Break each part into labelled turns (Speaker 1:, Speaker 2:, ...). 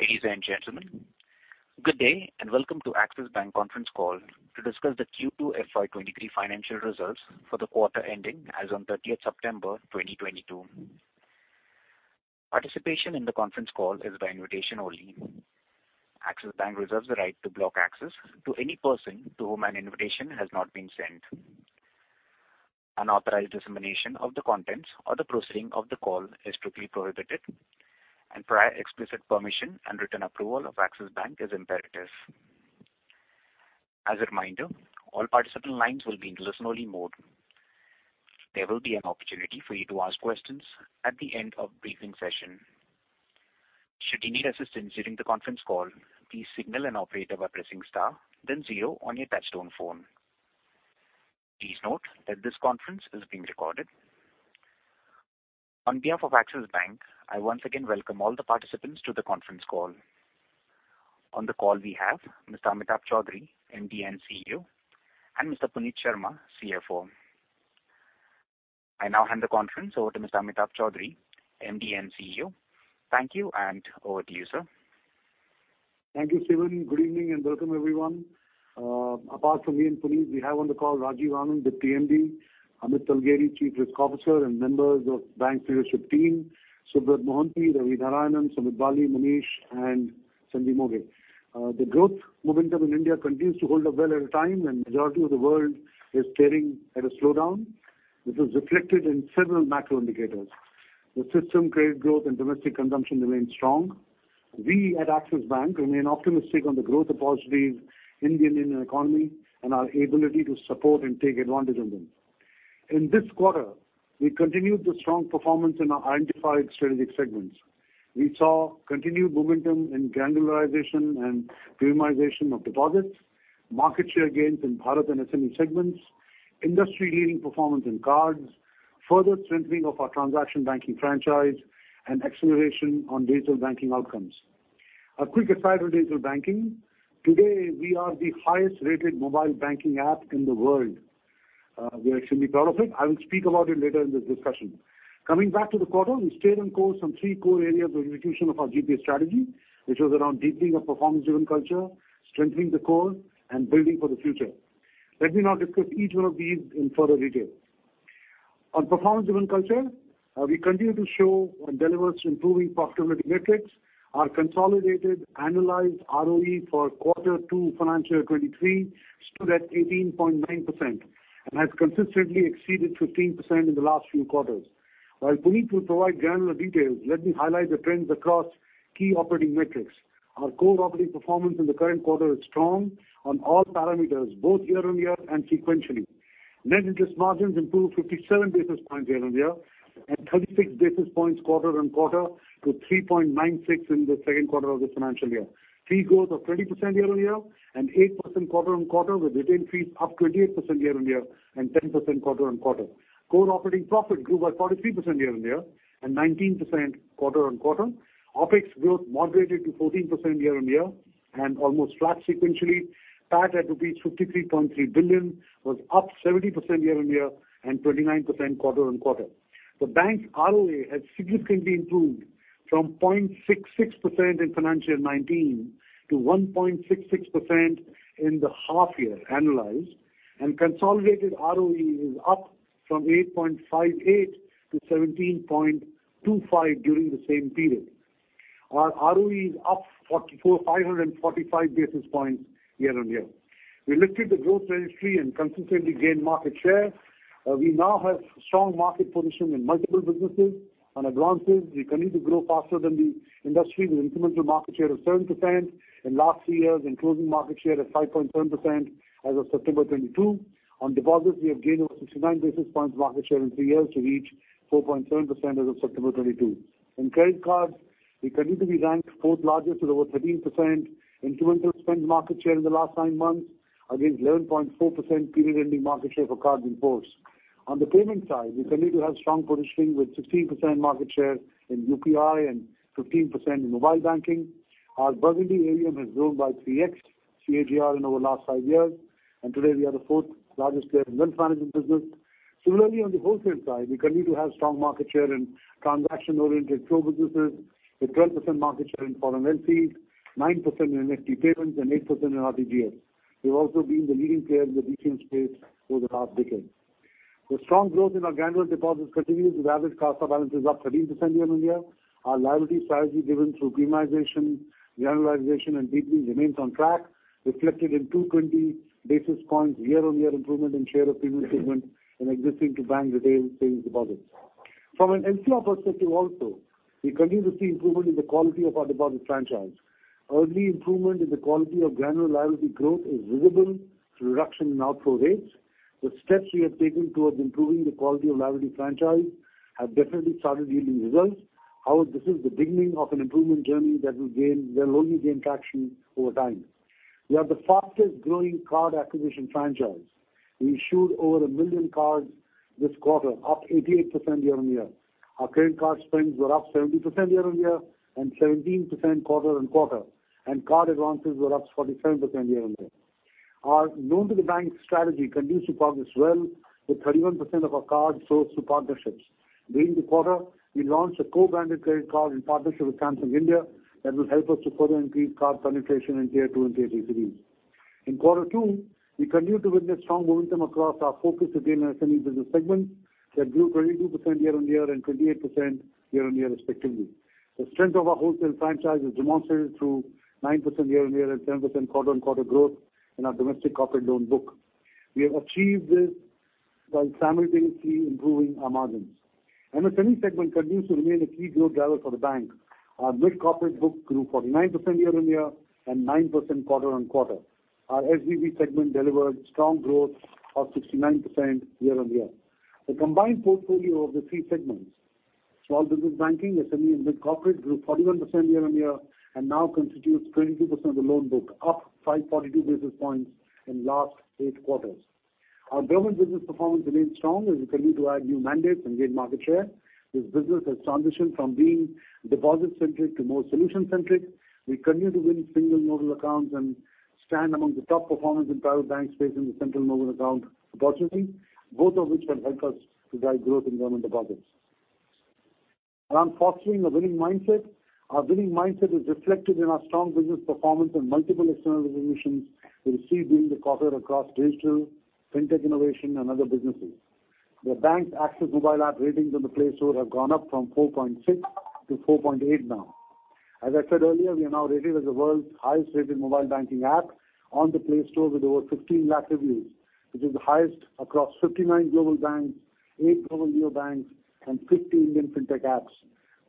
Speaker 1: Ladies and gentlemen, good day and welcome to Axis Bank conference call to discuss the Q2 FY23 financial results for the quarter ending 30th September 2022. Participation in the conference call is by invitation only. Axis Bank reserves the right to block access to any person to whom an invitation has not been sent. Unauthorized dissemination of the contents or the proceeding of the call is strictly prohibited and prior explicit permission and written approval of Axis Bank is imperative. As a reminder, all participant lines will be in listen-only mode. There will be an opportunity for you to ask questions at the end of briefing session. Should you need assistance during the conference call, please signal an operator by pressing star then zero on your touchtone phone. Please note that this conference is being recorded. On behalf of Axis Bank, I once again welcome all the participants to the conference call. On the call, we have Mr. Amitabh Chaudhry, MD & CEO, and Mr. Puneet Sharma, CFO. I now hand the conference over to Mr. Amitabh Chaudhry, MD & CEO. Thank you and over to you, sir.
Speaker 2: Thank you, Steven. Good evening and welcome everyone. Apart from me and Puneet, we have on the call Rajiv Anand, Deputy MD; Amit Talgeri, Chief Risk Officer; and members of the bank's leadership team, Subrat Mohanty, Ravi Narayanan, Sumit Bali, Munish Sharda, and Sanjeev Moghe. The growth momentum in India continues to hold up well at a time when the majority of the world is staring at a slowdown, which is reflected in several macro indicators. The system credit growth and domestic consumption remain strong. We at Axis Bank remain optimistic on the growth of positive signs in the Indian economy and our ability to support and take advantage of them. In this quarter, we continued the strong performance in our identified strategic segments. We saw continued momentum in granularization and premiumization of deposits, market share gains in Bharat and SME segments, industry-leading performance in cards, further strengthening of our transaction banking franchise, and acceleration on digital banking outcomes. A quick aside on digital banking. Today, we are the highest-rated mobile banking app in the world. We are extremely proud of it. I will speak about it later in this discussion. Coming back to the quarter, we stayed on course on three core areas of execution of our GPS strategy, which was around deepening of performance-driven culture, strengthening the core and building for the future. Let me now discuss each one of these in further detail. On performance-driven culture, we continue to show and deliver improving profitability metrics. Our consolidated annualized ROE for Q2 FY23 stood at 18.9% and has consistently exceeded 15% in the last few quarters. While Puneet will provide granular details, let me highlight the trends across key operating metrics. Our core operating performance in the current quarter is strong on all parameters, both year-on-year and sequentially. Net interest margins improved 57 basis points year-on-year and 36 basis points quarter-on-quarter to 3.96 in the Q2 of this financial year. Fee growth of 20% year-on-year and 8% quarter-on-quarter, with retail fees up 28% year-on-year and 10% quarter-on-quarter. Core operating profit grew by 43% year-on-year and 19% quarter-on-quarter. OpEx growth moderated to 14% year-on-year and almost flat sequentially. PAT at rupees 53.3 billion was up 70% year-on-year and 29% quarter-on-quarter. The bank's ROA has significantly improved from 0.66% in FY 2019 to 1.66% in the half-year annualized, and consolidated ROE is up from 8.58% to 17.25% during the same period. Our ROE is up four hundred and forty-five basis points year-on-year. We lifted the growth trajectory and consistently gained market share. We now have strong market positioning in multiple businesses. On advances, we continue to grow faster than the industry with incremental market share of 7% in last three years and closing market share at 5.7% as of September 2022. On deposits, we have gained over 69 basis points market share in three years to reach 4.7% as of September 2022. In credit cards, we continue to be ranked fourth largest with over 13% incremental spend market share in the last nine months against 11.4% period ending market share for cards in force. On the payment side, we continue to have strong positioning with 16% market share in UPI and 15% in mobile banking. Our Burgundy AUM has grown by 3x CAGR in over last five years, and today we are the fourth-largest player in wealth management business. Similarly, on the wholesale side, we continue to have strong market share in transaction-oriented core businesses with 12% market share in foreign LCs, 9% in NEFT payments, and 8% in RTGS. We've also been the leading player in the GCM space over the last decade. The strong growth in our granular deposits continues with average CASA balances up 13% year-on-year. Our liability strategy driven through premiumization, granularization and deepening remains on track, reflected in 220 basis points year-on-year improvement in share of premium segment and existing to bank retail savings deposits. From an NPAs perspective also, we continue to see improvement in the quality of our deposit franchise. Early improvement in the quality of granular liability growth is visible through reduction in outflow rates. The steps we have taken towards improving the quality of liability franchise have definitely started yielding results. However, this is the beginning of an improvement journey that will only gain traction over time. We are the fastest growing card acquisition franchise. We issued over a million cards this quarter, up 88% year-on-year. Our credit card spends were up 70% year-on-year and 17% quarter-on-quarter, and card advances were up 47% year-on-year. Our loan to the bank strategy continues to progress well, with 31% of our cards sourced through partnerships. During the quarter, we launched a co-branded credit card in partnership with Samsung India that will help us to further increase card penetration in Tier 2 and Tier 3 cities. In Q2, we continued to witness strong momentum across our focus retail and SME business segments that grew 22% year-on-year and 28% year-on-year respectively. The strength of our wholesale franchise is demonstrated through 9% year-on-year and 10% quarter-on-quarter growth in our domestic corporate loan book. We have achieved this while simultaneously improving our margins. SME segment continues to remain a key growth driver for the bank. Our mid-corporate book grew 49% year-on-year and 9% quarter-on-quarter. Our SBB segment delivered strong growth of 69% year-on-year. The combined portfolio of the three segments, small business banking, SME, and mid corporate, grew 41% year-on-year and now constitutes 22% of the loan book, up 542 basis points in last eight quarters. Our government business performance remains strong as we continue to add new mandates and gain market share. This business has transitioned from being deposit-centric to more solution-centric. We continue to win single nodal accounts and stand among the top performers in private banks facing the central nodal account opportunity, both of which will help us to drive growth in government deposits. Around fostering a winning mindset, our winning mindset is reflected in our strong business performance and multiple external recognitions we received during the quarter across digital, fintech innovation and other businesses. The bank's Axis Mobile app ratings on the Play Store have gone up from 4.6 to 4.8 now. As I said earlier, we are now rated as the world's highest-rated mobile banking app on the Play Store with over 15 lakh reviews, which is the highest across 59 global banks, eight global neo banks, and 50 Indian fintech apps.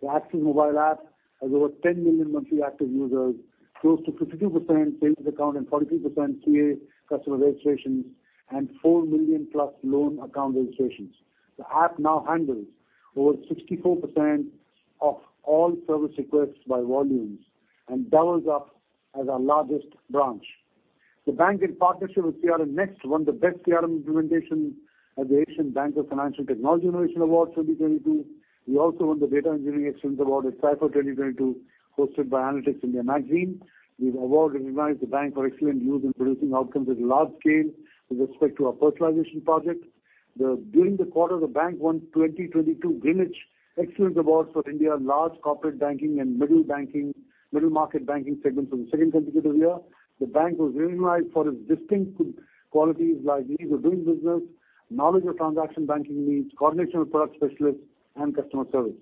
Speaker 2: The Axis Mobile app has over 10 million monthly active users, close to 52% savings account, and 43% CA customer registrations, and 4 million-plus loan account registrations. The app now handles over 64% of all service requests by volumes and doubles up as our largest branch. The bank, in partnership with CRMNEXT, won the Best CRM Implementation at The Asian Banker Financial Technology Innovation Awards for 2022. We also won the Data Engineering Excellence Award at Cypher 2022, hosted by Analytics India Magazine. This award recognized the bank for excellent use in producing outcomes at large scale with respect to our personalization project. During the quarter, the bank won 2022 Greenwich Excellence Awards for India large corporate banking and middle market banking segments for the second consecutive year. The bank was recognized for its distinctive qualities like ease of doing business, knowledge of transaction banking needs, coordination with product specialists, and customer service.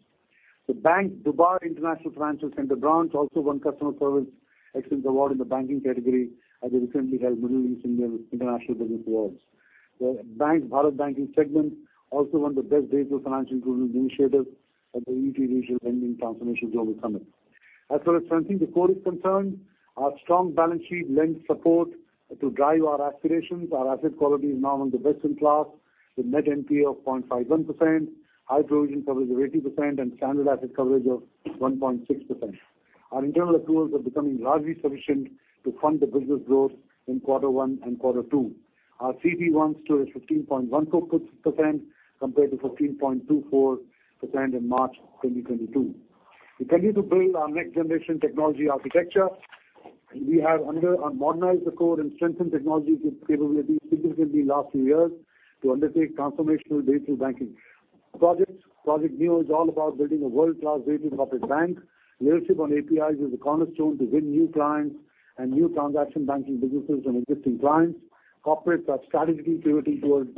Speaker 2: The bank, Dubai International Financial Center branch also won Customer Service Excellence Award in the banking category at the recently held Middle East International Business Awards. The bank's Bharat Banking segment also won the Best Digital Financial Inclusion Initiative at the ET Digital Lending Transformation Global Summit. As far as strengthening the core is concerned, our strong balance sheet lends support to drive our aspirations. Our asset quality is now among the best-in-class, with net NPA of 0.51%, high provision coverage of 80%, and standard asset coverage of 1.6%. Our internal accruals are becoming largely sufficient to fund the business growth in quarter one and quarter two. Our CET1 stood at 15.14% compared to 15.24% in March 2022. We continue to build our next-generation technology architecture. We have modernized the core and strengthened technology capabilities significantly in last few years to undertake transformational digital banking projects. Project Neo is all about building a world-class digital corporate bank. Leadership on APIs is the cornerstone to win new clients and new transaction banking businesses from existing clients. Corporates are strategically pivoting towards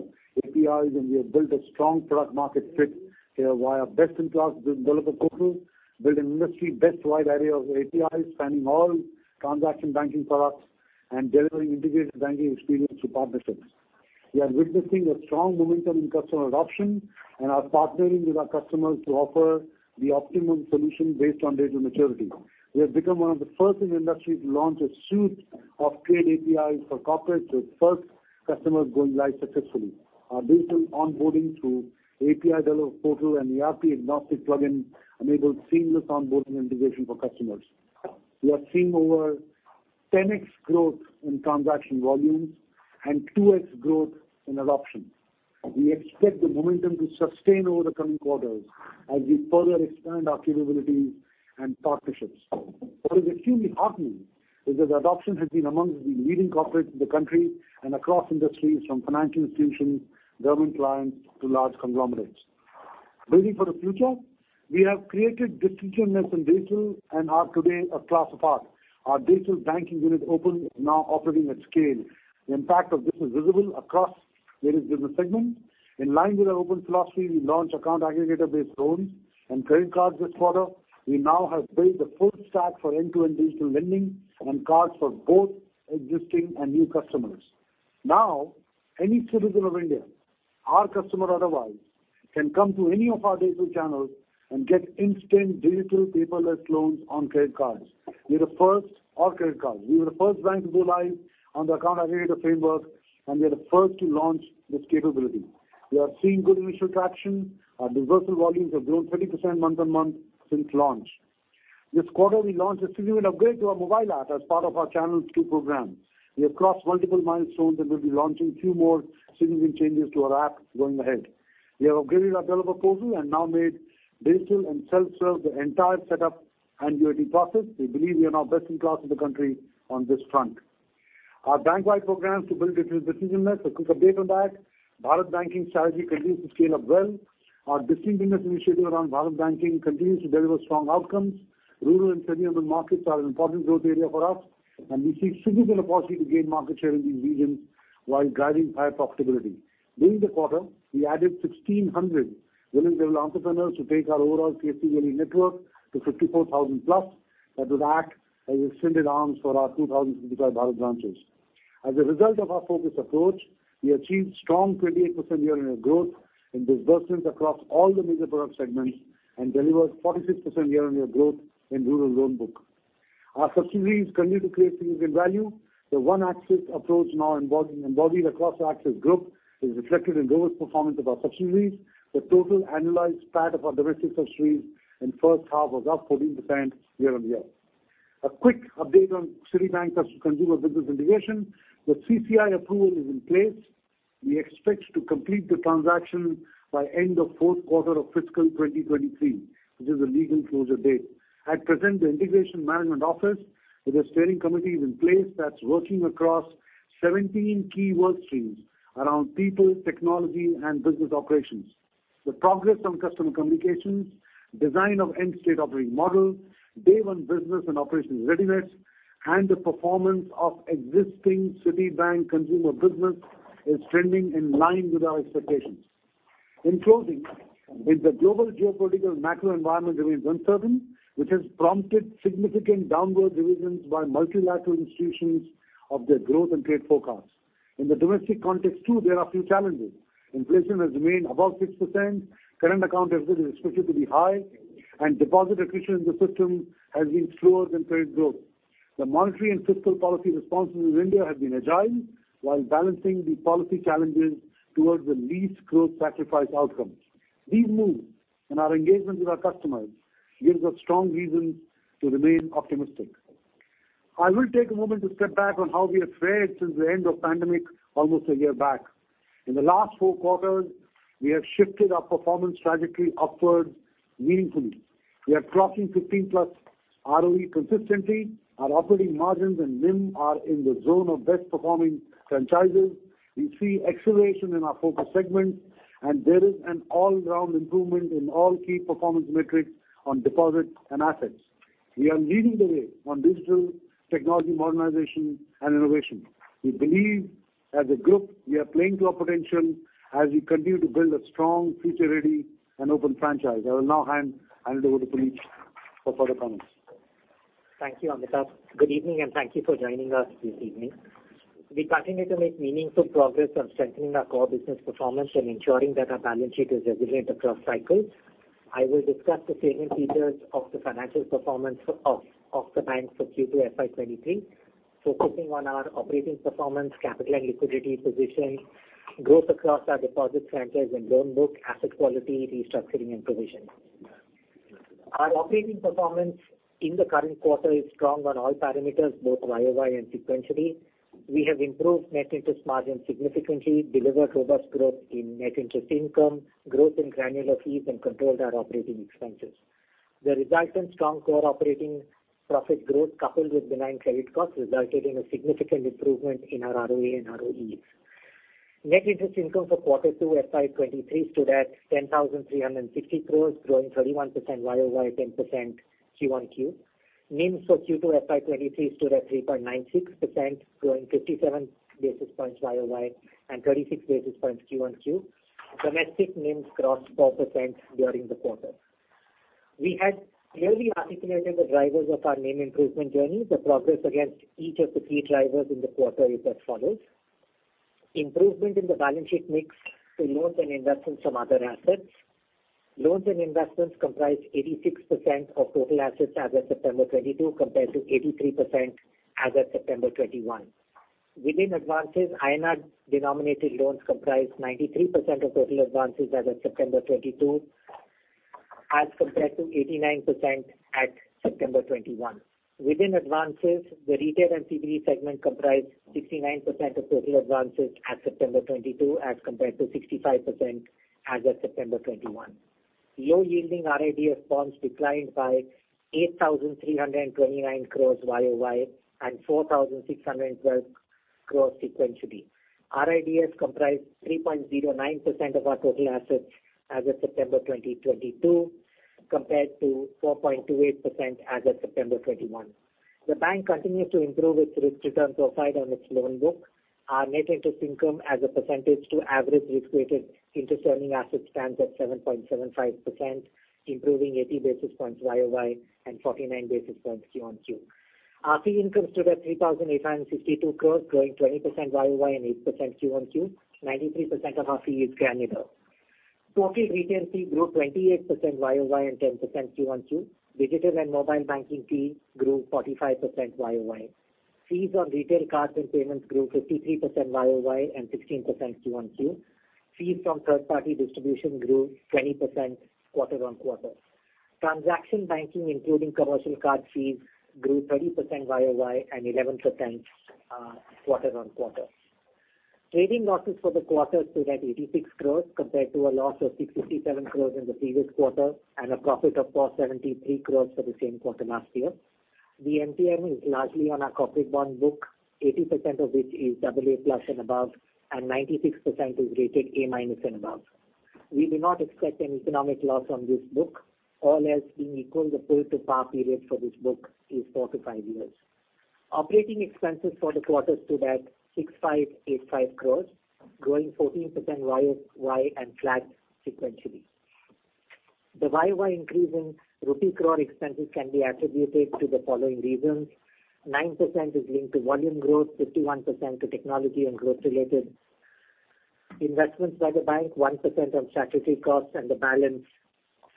Speaker 2: APIs, and we have built a strong product market fit here via best-in-class developer portal, built an industry-best wide array of APIs spanning all transaction banking products, and delivering integrated banking experience through partnerships. We are witnessing a strong momentum in customer adoption and are partnering with our customers to offer the optimum solution based on digital maturity. We have become one of the first in the industry to launch a suite of trade APIs for corporate, with first customers going live successfully. Our digital onboarding through API developer portal and ERP-agnostic plugin enabled seamless onboarding integration for customers. We are seeing over 10x growth in transaction volumes and 2x growth in adoption. We expect the momentum to sustain over the coming quarters as we further expand our capabilities and partnerships. What is extremely heartening is that adoption has been among the leading corporates in the country and across industries from financial institutions, government clients, to large conglomerates. Building for the future, we have created distinction in digital and are today a class apart. Our digital banking unit Open is now operating at scale. The impact of this is visible across various business segments. In line with our Open philosophy, we launched account aggregator-based loans and credit cards this quarter. We now have built the full stack for end-to-end digital lending and cards for both existing and new customers. Now, any citizen of India, our customer otherwise, can come to any of our digital channels and get instant digital paperless loans or credit cards. We were the first bank to go live on the account aggregator framework, and we are the first to launch this capability. We are seeing good initial traction. Our disbursal volumes have grown 30% month-on-month since launch. This quarter, we launched a significant upgrade to our mobile app as part of our Channel two program. We have crossed multiple milestones and will be launching few more significant changes to our app going ahead. We have upgraded our developer portal and now made digital and self-serve the entire setup and UAT process. We believe we are now best in class in the country on this front. Our bank-wide programs to build digital decisioning, a quick update on that. Bharat Banking strategy continues to scale up well. Our decisioning initiative around Bharat Banking continues to deliver strong outcomes. Rural and semi-urban markets are an important growth area for us, and we see significant opportunity to gain market share in these regions while driving higher profitability. During the quarter, we added 1,600 willing rural entrepreneurs to take our overall CSP daily network to 54,000+ that will act as extended arms for our 2,000 certified Bharat branches. As a result of our focused approach, we achieved strong 28% year-on-year growth in disbursements across all the major product segments and delivered 46% year-on-year growth in rural loan book. Our subsidiaries continue to create significant value. The one Axis approach now embodied across Axis Group is reflected in robust performance of our subsidiaries. The total annualized PAT of our domestic subsidiaries in H1 was up 14% year-on-year. A quick update on Citibank Consumer Business integration. The CCI approval is in place. We expect to complete the transaction by end of Q4 of fiscal 2023, which is the legal closure date. At present, the integration management office with a steering committee is in place that's working across 17 key work streams around people, technology, and business operations. The progress on customer communications, design of end state operating model, day one business and operational readiness, and the performance of existing Citibank consumer business is trending in line with our expectations. In closing, the global geopolitical macro environment remains uncertain, which has prompted significant downward revisions by multilateral institutions of their growth and trade forecasts. In the domestic context too, there are few challenges. Inflation has remained above 6%, current account deficit is expected to be high, and deposit attrition in the system has been slower than credit growth. The monetary and fiscal policy response in India has been agile while balancing the policy challenges towards the least growth sacrifice outcomes. These moves and our engagement with our customers gives us strong reasons to remain optimistic. I will take a moment to step back on how we have fared since the end of pandemic almost a year back. In the last four quarters, we have shifted our performance trajectory upward meaningfully. We are crossing 15+ ROE consistently. Our operating margins and NIM are in the zone of best performing franchises. We see acceleration in our focus segments, and there is an all-round improvement in all key performance metrics on deposits and assets. We are leading the way on digital technology, modernization, and innovation. We believe as a group, we are playing to our potential as we continue to build a strong, future-ready, and open franchise. I will now hand over to Puneet for further comments.
Speaker 3: Thank you, Amitabh. Good evening, and thank you for joining us this evening. We continue to make meaningful progress on strengthening our core business performance and ensuring that our balance sheet is resilient across cycles. I will discuss the salient features of the financial performance of the bank for Q2 FY23, focusing on our operating performance, capital and liquidity position, growth across our deposit franchise and loan book, asset quality, restructuring, and provision. Our operating performance in the current quarter is strong on all parameters, both year-over-year and sequentially. We have improved net interest margin significantly, delivered robust growth in net interest income, growth in granular fees, and controlled our operating expenses. The resultant strong core operating profit growth, coupled with benign credit costs, resulted in a significant improvement in our ROA and ROEs. Net interest income for Q2 FY 2023 stood at 10,360 crores, growing 31% YoY, 10% Q1Q. NIMs for Q2 FY 2023 stood at 3.96%, growing 57 basis points YoY and 36 basis points Q1Q. Domestic NIMs crossed 4% during the quarter. We had clearly articulated the drivers of our NIM improvement journey. The progress against each of the key drivers in the quarter is as follows. Improvement in the balance sheet mix to loans and investments from other assets. Loans and investments comprise 86% of total assets as of September 2022, compared to 83% as of September 2021. Within advances, INR-denominated loans comprise 93% of total advances as of September 2022, as compared to 89% at September 2021. Within advances, the retail and CBG segment comprise 69% of total advances at September 2022, as compared to 65% as of September 2021. Low-yielding RIDF bonds declined by 8,329 crores year-over-year and 4,612 crores sequentially. RIDF comprise 3.09% of our total assets as of September 2022, compared to 4.28% as of September 2021. The bank continues to improve its risk return profile on its loan book. Our net interest income as a percentage to average risk-weighted assets stands at 7.75%, improving 80 basis points year-over-year and 49 basis points quarter-over-quarter. Our fee income stood at 3,852 crores, growing 20% year-over-year and 8% quarter-over-quarter. 93% of our fee is granular. Total retail fee grew 28% YoY and 10% Q1Q. Digital and mobile banking fee grew 45% YoY. Fees on retail cards and payments grew 53% YoY and 16% Q1Q. Fees from third party distribution grew 20% quarter-over-quarter. Transaction banking, including commercial card fees, grew 30% YoY and 11% quarter-over-quarter. Trading losses for the quarter stood at 86 crore compared to a loss of 657 crore in the previous quarter and a profit of 473 crore for the same quarter last year. The MTM is largely on our corporate bond book, 80% of which is AA+ and above, and 96% is rated A- and above. We do not expect an economic loss on this book. All else being equal, the pull to par period for this book is four to five years. Operating expenses for the quarter stood at 6,585 crores, growing 14% YoY and flat sequentially. The YoY increase in rupee crore expenses can be attributed to the following reasons. 9% is linked to volume growth, 51% to technology and growth-related investments by the bank, 1% on statutory costs and the balance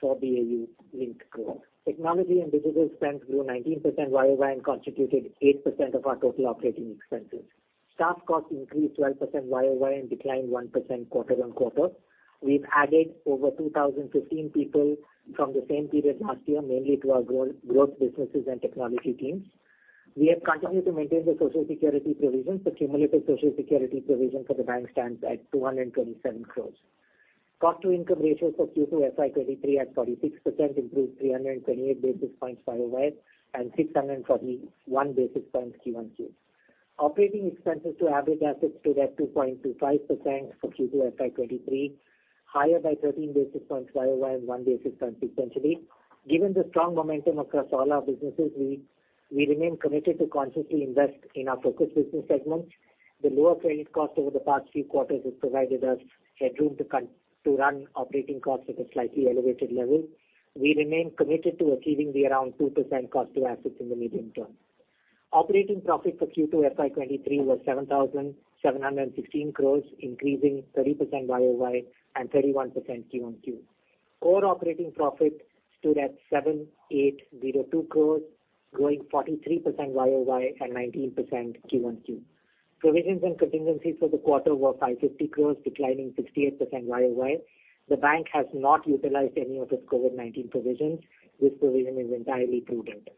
Speaker 3: for BAU linked growth. Technology and digital spend grew 19% YoY and constituted 8% of our total operating expenses. Staff costs increased 12% YoY and declined 1% quarter-on-quarter. We've added over 2,015 people from the same period last year, mainly to our growth businesses and technology teams. We have continued to maintain the Social Security provision. The cumulative Social Security provision for the bank stands at 227 crores. Cost to income ratios for Q2 FY 2023 at 46% improved 328 basis points YoY and 641 basis points Q1Q. Operating expenses to average assets stood at 2.25% for Q2 FY 2023, higher by 13 basis points YoY and 1 basis point sequentially. Given the strong momentum across all our businesses, we remain committed to consciously invest in our focus business segments. The lower credit cost over the past few quarters has provided us headroom to run operating costs at a slightly elevated level. We remain committed to achieving around 2% cost to assets in the medium term. Operating profit for Q2 FY 2023 was 7,716 crores, increasing 30% YoY and 31% Q1Q. Core operating profit stood at 7,802 crore, growing 43% year-over-year and 19% quarter-over-quarter. Provisions and contingencies for the quarter were 550 crore, declining 68% year-over-year. The bank has not utilized any of its COVID-19 provisions. This provision is entirely prudent.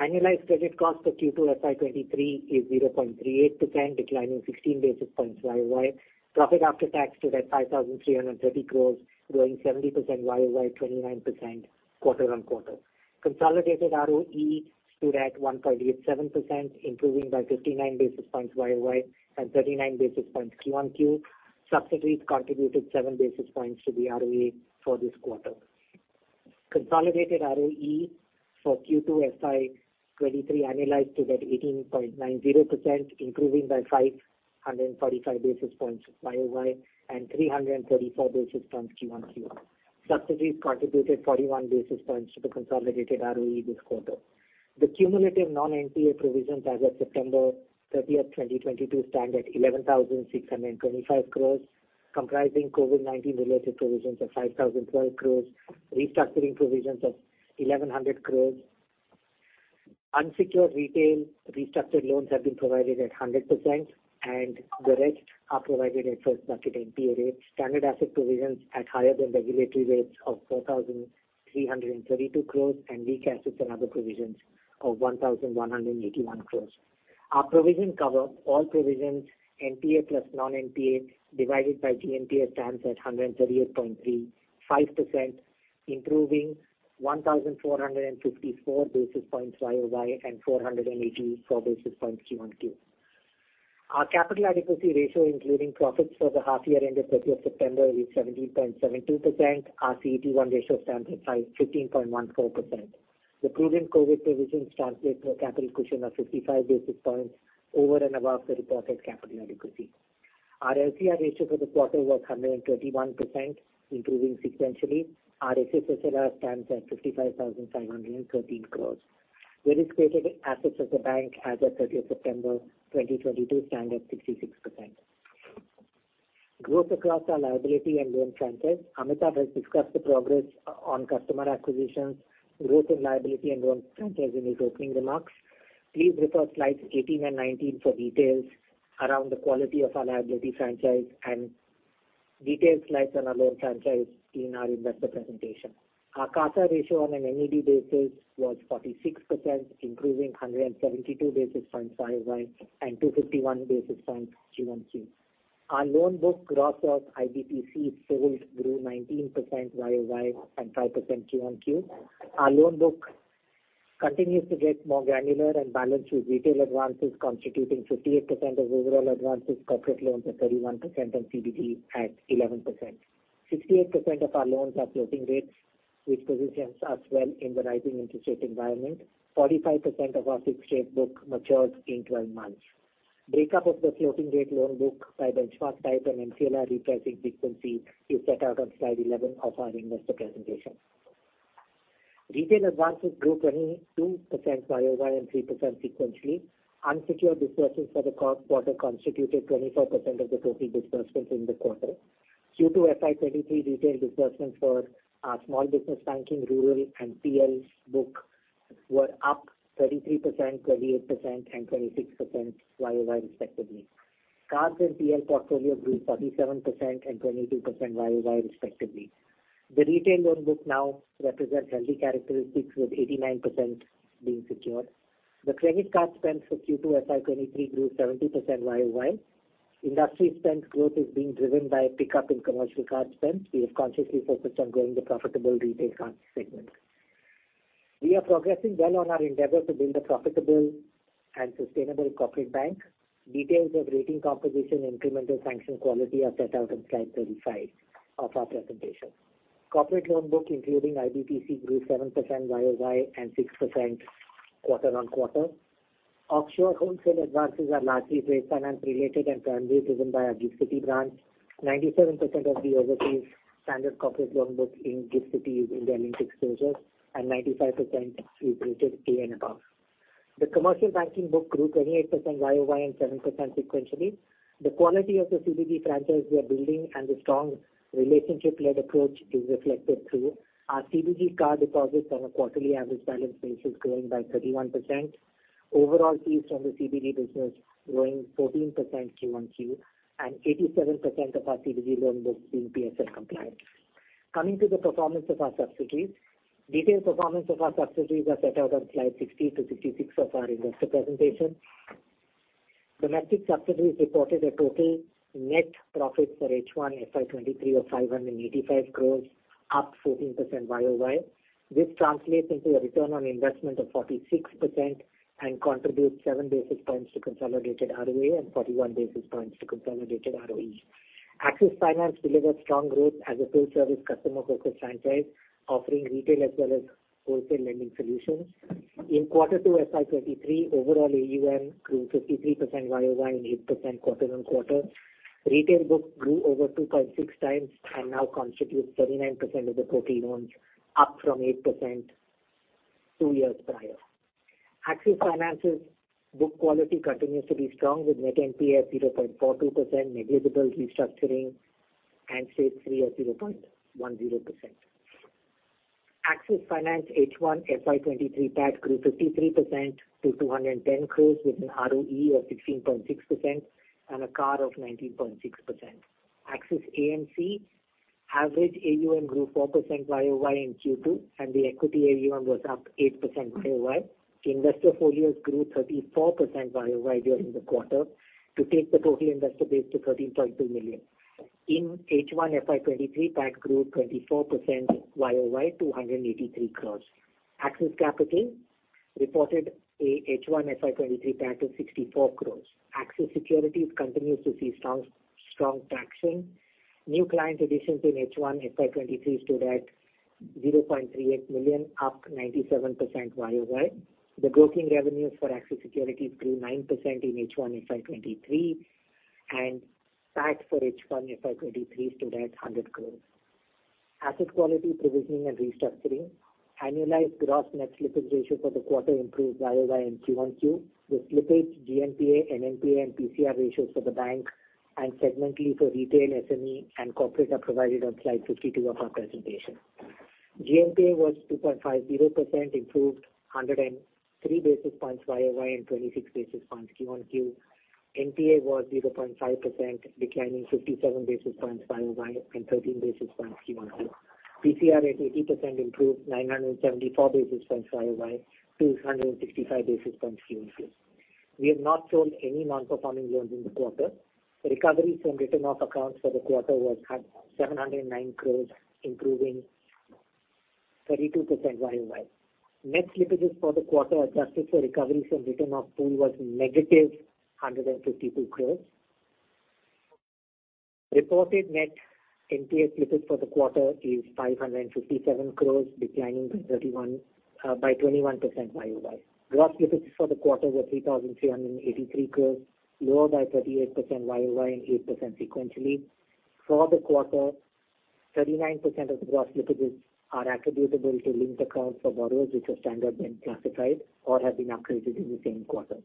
Speaker 3: Annualized credit cost for Q2 FY 2023 is 0.38%, declining 16 basis points year-over-year. Profit after tax stood at 5,330 crore, growing 70% year-over-year, 29% quarter-over-quarter. Consolidated ROE stood at 1.87%, improving by 59 basis points year-over-year and 39 basis points quarter-over-quarter. Subsidy contributed 7 basis points to the ROE for this quarter. Consolidated ROE for Q2 FY 2023 annualized stood at 18.90%, improving by 545 basis points year-over-year and 334 basis points quarter-over-quarter. Subsidies contributed 41 basis points to the consolidated ROE this quarter. The cumulative non-NPA provisions as of September 30th, 2022 stand at 11,625 crores, comprising COVID-19 related provisions of 5,012 crores, restructuring provisions of 1,100 crores. Unsecured retail restructured loans have been provided at 100%, and the rest are provided at first bucket NPA rates. Standard asset provisions at higher than regulatory rates of 4,332 crores and weak assets and other provisions of 1,181 crores. Our provision cover, all provisions, NPA plus non-NPA divided by GNPA, stands at 138.35%, improving 1,454 basis points YoY and 484 basis points Q1Q. Our capital adequacy ratio including profits for the half year ended 30 September is 17.72%. Our CET1 ratio stands at 15.14%. The prudent COVID provisions translate to a capital cushion of 55 basis points over and above the reported capital adequacy. Our LCR ratio for the quarter was 121%, improving sequentially. Our NSFR stands at 55,513 crore. Risk-weighted assets of the bank as of 30th September 2022 stand at 66%. Growth across our liability and loan franchise. Amitabh has discussed the progress on customer acquisitions, growth in liability and loan franchise in his opening remarks. Please refer slides 18 and 19 for details around the quality of our liability franchise and detailed slides on our loan franchise in our investor presentation. Our CASA ratio on an NED basis was 46%, improving 172 basis points YoY and 251 basis points Q1Q. Our loan book gross of IBPC sold grew 19% YoY and 5% Q1Q. Our loan book continues to get more granular and balanced, with retail advances constituting 58% of overall advances, corporate loans at 31%, and CDD at 11%. 68% of our loans are floating rates, which positions us well in the rising interest rate environment. 45% of our fixed rate book matures in 12 months. Breakup of the floating rate loan book by benchmark type and MCLR repricing frequency is set out on slide 11 of our investor presentation. Retail advances grew 22% YoY and 3% sequentially. Unsecured disbursements for the quarter constituted 24% of the total disbursements in the quarter. Q2 FY2023 retail disbursements for our small business banking, rural, and PL book were up 33%, 28%, and 26% YoY respectively. Cards and PL portfolio grew 47% and 22% YoY respectively. The retail loan book now represents healthy characteristics with 89% being secured. The credit card spend for Q2 FY2023 grew 70% YoY. Industry spend growth is being driven by a pickup in commercial card spend. We have consciously focused on growing the profitable retail card segment. We are progressing well on our endeavor to build a profitable and sustainable corporate bank. Details of rating composition, incremental sanction quality are set out on slide 35 of our presentation. Corporate loan book, including IBPC, grew 7% YoY and 6% quarter-on-quarter. Offshore wholesale advances are largely trade finance-related and primarily driven by our GIFT City branch. 97% of the overseas standard corporate loan book in Gift City is India-linked exposures, and 95% is rated A and above. The commercial banking book grew 28% year-over-year and 7% sequentially. The quality of the CBG franchise we are building and the strong relationship-led approach is reflected through our CBG card deposits on a quarterly average balance basis growing by 31%. Overall fees from the CBG business growing 14% quarter-over-quarter, and 87% of our CBG loan book being PSL compliant. Coming to the performance of our subsidiaries. Detailed performance of our subsidiaries are set out on slide 60-66 of our investor presentation. Domestic subsidiaries reported a total net profit for H1 FY2023 of 585 crore, up 14% year-over-year. This translates into a return on investment of 46% and contributes 7 basis points to consolidated ROA and 41 basis points to consolidated ROE. Axis Finance delivered strong growth as a full-service customer-focused franchise offering retail as well as wholesale lending solutions. In Q2 FY 2023, overall AUM grew 53% YoY and 8% quarter-on-quarter. Retail book grew over 2.6x and now constitutes 39% of the total loans, up from 8% two years prior. Axis Finance's book quality continues to be strong, with net NPA at 0.42%, negligible restructuring and Stage 3 at 0.10%. Axis Finance H1 FY 2023 PAT grew 53% to 210 crores with an ROE of 16.6% and a CAR of 19.6%. Axis AMC average AUM grew 4% YoY in Q2, and the equity AUM was up 8% YoY. The investor folios grew 34% YoY during the quarter to take the total investor base to 13.2 million. In H1 FY 2023, PAT grew 24% YoY to 183 crore. Axis Capital reported a H1 FY 2023 PAT of 64 crore. Axis Securities continues to see strong traction. New client additions in H1 FY 2023 stood at 0.38 million, up 97% YoY. The broking revenues for Axis Securities grew 9% in H1 FY 2023, and PAT for H1 FY 2023 stood at 100 crore. Asset quality provisioning and restructuring. Annualized gross net slippage ratio for the quarter improved YoY and QOQ, with slippage GNPA, NNPA and PCR ratios for the bank and segmentally for retail, SME and corporate are provided on slide 52 of our presentation. GNPA was 2.50%, improved 103 basis points YoY and 26 basis points QOQ. NPA was 0.5%, declining 57 basis points YoY and 13 basis points QOQ. PCR at 80% improved 974 basis points YoY to 165 basis points QOQ. We have not sold any non-performing loans in the quarter. Recovery from written-off accounts for the quarter was at 709 crore, improving 32% YoY. Net slippages for the quarter adjusted for recovery from written-off pool was -152 crore. Reported net NPA slippage for the quarter is 557 crore, declining by 21% YoY. Gross slippages for the quarter were 3,383 crore, lower by 38% YoY and 8% sequentially. For the quarter, 39% of gross slippages are attributable to linked accounts for borrowers which have been classified as standard or have been upgraded in the same quarter.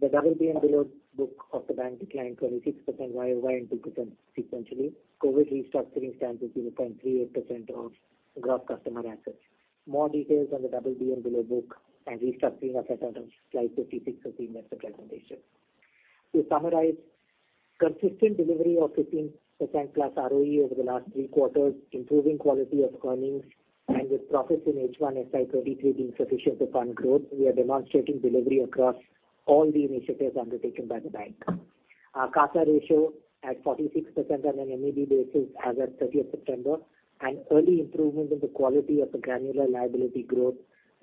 Speaker 3: The double B and below book of the bank declined 26% YoY and 2% sequentially. COVID restructuring stands at 0.38% of gross customer assets. More details on the double B and below book and restructuring are set out on slide 56 of the investor presentation. To summarize, consistent delivery of 15%+ ROE over the last three quarters, improving quality of earnings and with profits in H1 FY 2023 being sufficient to fund growth, we are demonstrating delivery across all the initiatives undertaken by the bank. Our CASA ratio at 46% on a QAB basis as at 30th September, and early improvement in the quality of the granular liability growth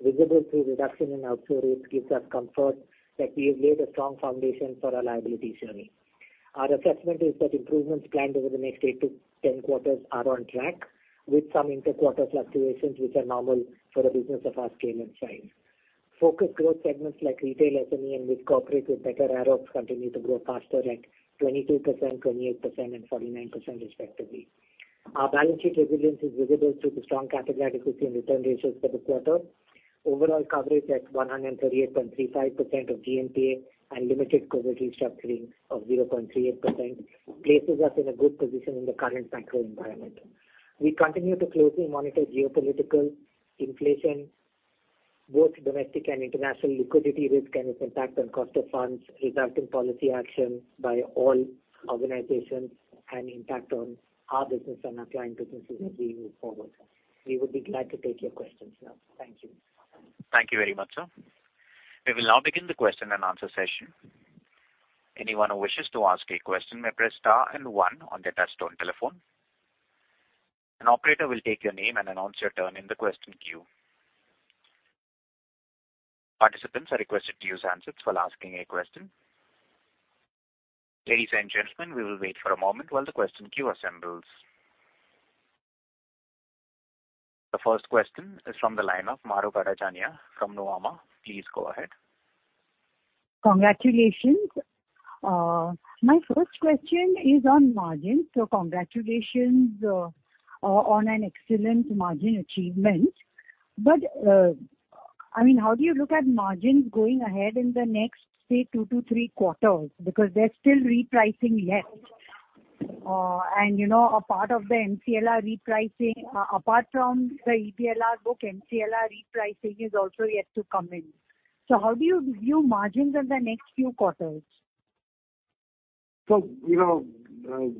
Speaker 3: visible through reduction in outflow rates gives us comfort that we have laid a strong foundation for our liability journey. Our assessment is that improvements planned over the next 8-10 quarters are on track with some inter-quarter fluctuations, which are normal for a business of our scale and size. Focused growth segments like retail, SME, and with corporate with better AROCs continue to grow faster at 22%, 28%, and 49% respectively. Our balance sheet resilience is visible through the strong capital adequacy and return ratios for this quarter. Overall coverage at 138.35% of GNPA and limited COVID restructuring of 0.38% places us in a good position in the current macro environment. We continue to closely monitor geopolitical, inflation. Both domestic and international liquidity risk and its impact on cost of funds, impact on policy action by all organizations, and impact on our business and our client businesses as we move forward. We would be glad to take your questions now. Thank you.
Speaker 1: Thank you very much, sir. We will now begin the question-and-answer session. Anyone who wishes to ask a question may press star and one on their touchtone telephone. An operator will take your name and announce your turn in the question queue. Participants are requested to use handsets while asking a question. Ladies and gentlemen, we will wait for a moment while the question queue assembles. The first question is from the line of Mahrukh Adajania from Nomura. Please go ahead.
Speaker 4: Congratulations. My first question is on margins. Congratulations on an excellent margin achievement. I mean, how do you look at margins going ahead in the next, say, 2-3 quarters? Because there's still repricing left. You know, a part of the MCLR repricing, apart from the EBLR book, MCLR repricing is also yet to come in. How do you view margins in the next few quarters?
Speaker 2: You know,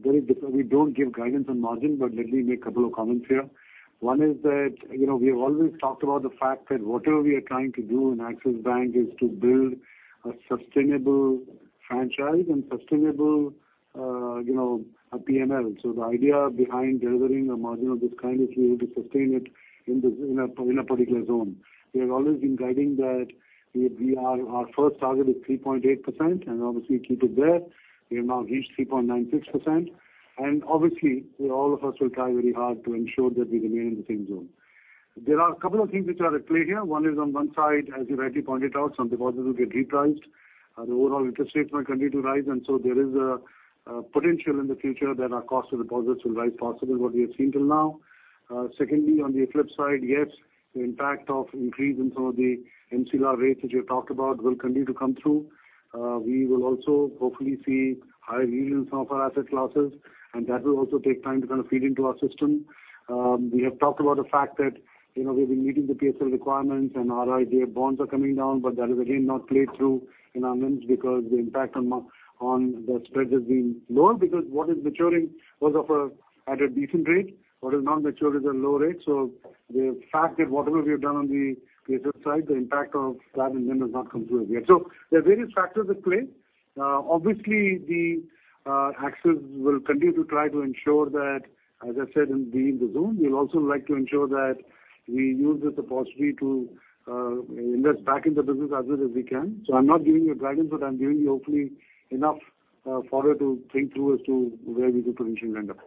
Speaker 2: very different. We don't give guidance on margin, but let me make a couple of comments here. One is that, you know, we have always talked about the fact that whatever we are trying to do in Axis Bank is to build a sustainable franchise and sustainable, you know, a P&L. The idea behind delivering a margin of this kind is we will sustain it in a particular zone. We have always been guiding that our first target is 3.8%, and obviously keep it there. We have now reached 3.96%. Obviously, we all of us will try very hard to ensure that we remain in the same zone. There are a couple of things which are at play here. One is on one side, as you rightly pointed out, some deposits will get repriced. The overall interest rates might continue to rise, and so there is a potential in the future that our cost of deposits will rise faster than what we have seen till now. Secondly, on the flip side, yes, the impact of increase in some of the MCLR rates, which you talked about, will continue to come through. We will also hopefully see higher yields in some of our asset classes, and that will also take time to kind of feed into our system. We have talked about the fact that, you know, we've been meeting the PSL requirements and our RIDF bonds are coming down, but that has again not played through in our NIMs because the impact on the spreads has been lower because what is maturing was at a decent rate. What is not maturing is at low rate. The fact that whatever we have done on the PSL side, the impact of that in NIM has not come through as yet. There are various factors at play. Obviously, Axis will continue to try to ensure that, as I said, in being in the zone, we'll also like to ensure that we use this opportunity to invest back in the business as well as we can. I'm not giving you a guidance, but I'm giving you hopefully enough fodder to think through as to where we could potentially end up.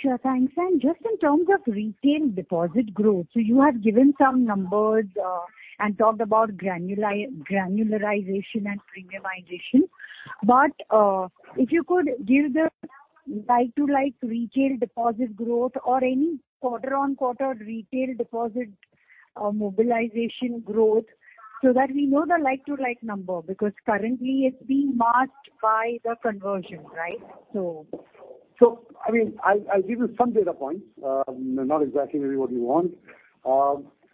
Speaker 4: Sure, thanks. Just in terms of retail deposit growth, so you have given some numbers, and talked about granularization and premiumization. If you could give the like-for-like retail deposit growth or any quarter-on-quarter retail deposit mobilization growth so that we know the like-for-like number, because currently it's being masked by the conversion, right?
Speaker 2: I mean, I'll give you some data points, not exactly maybe what you want.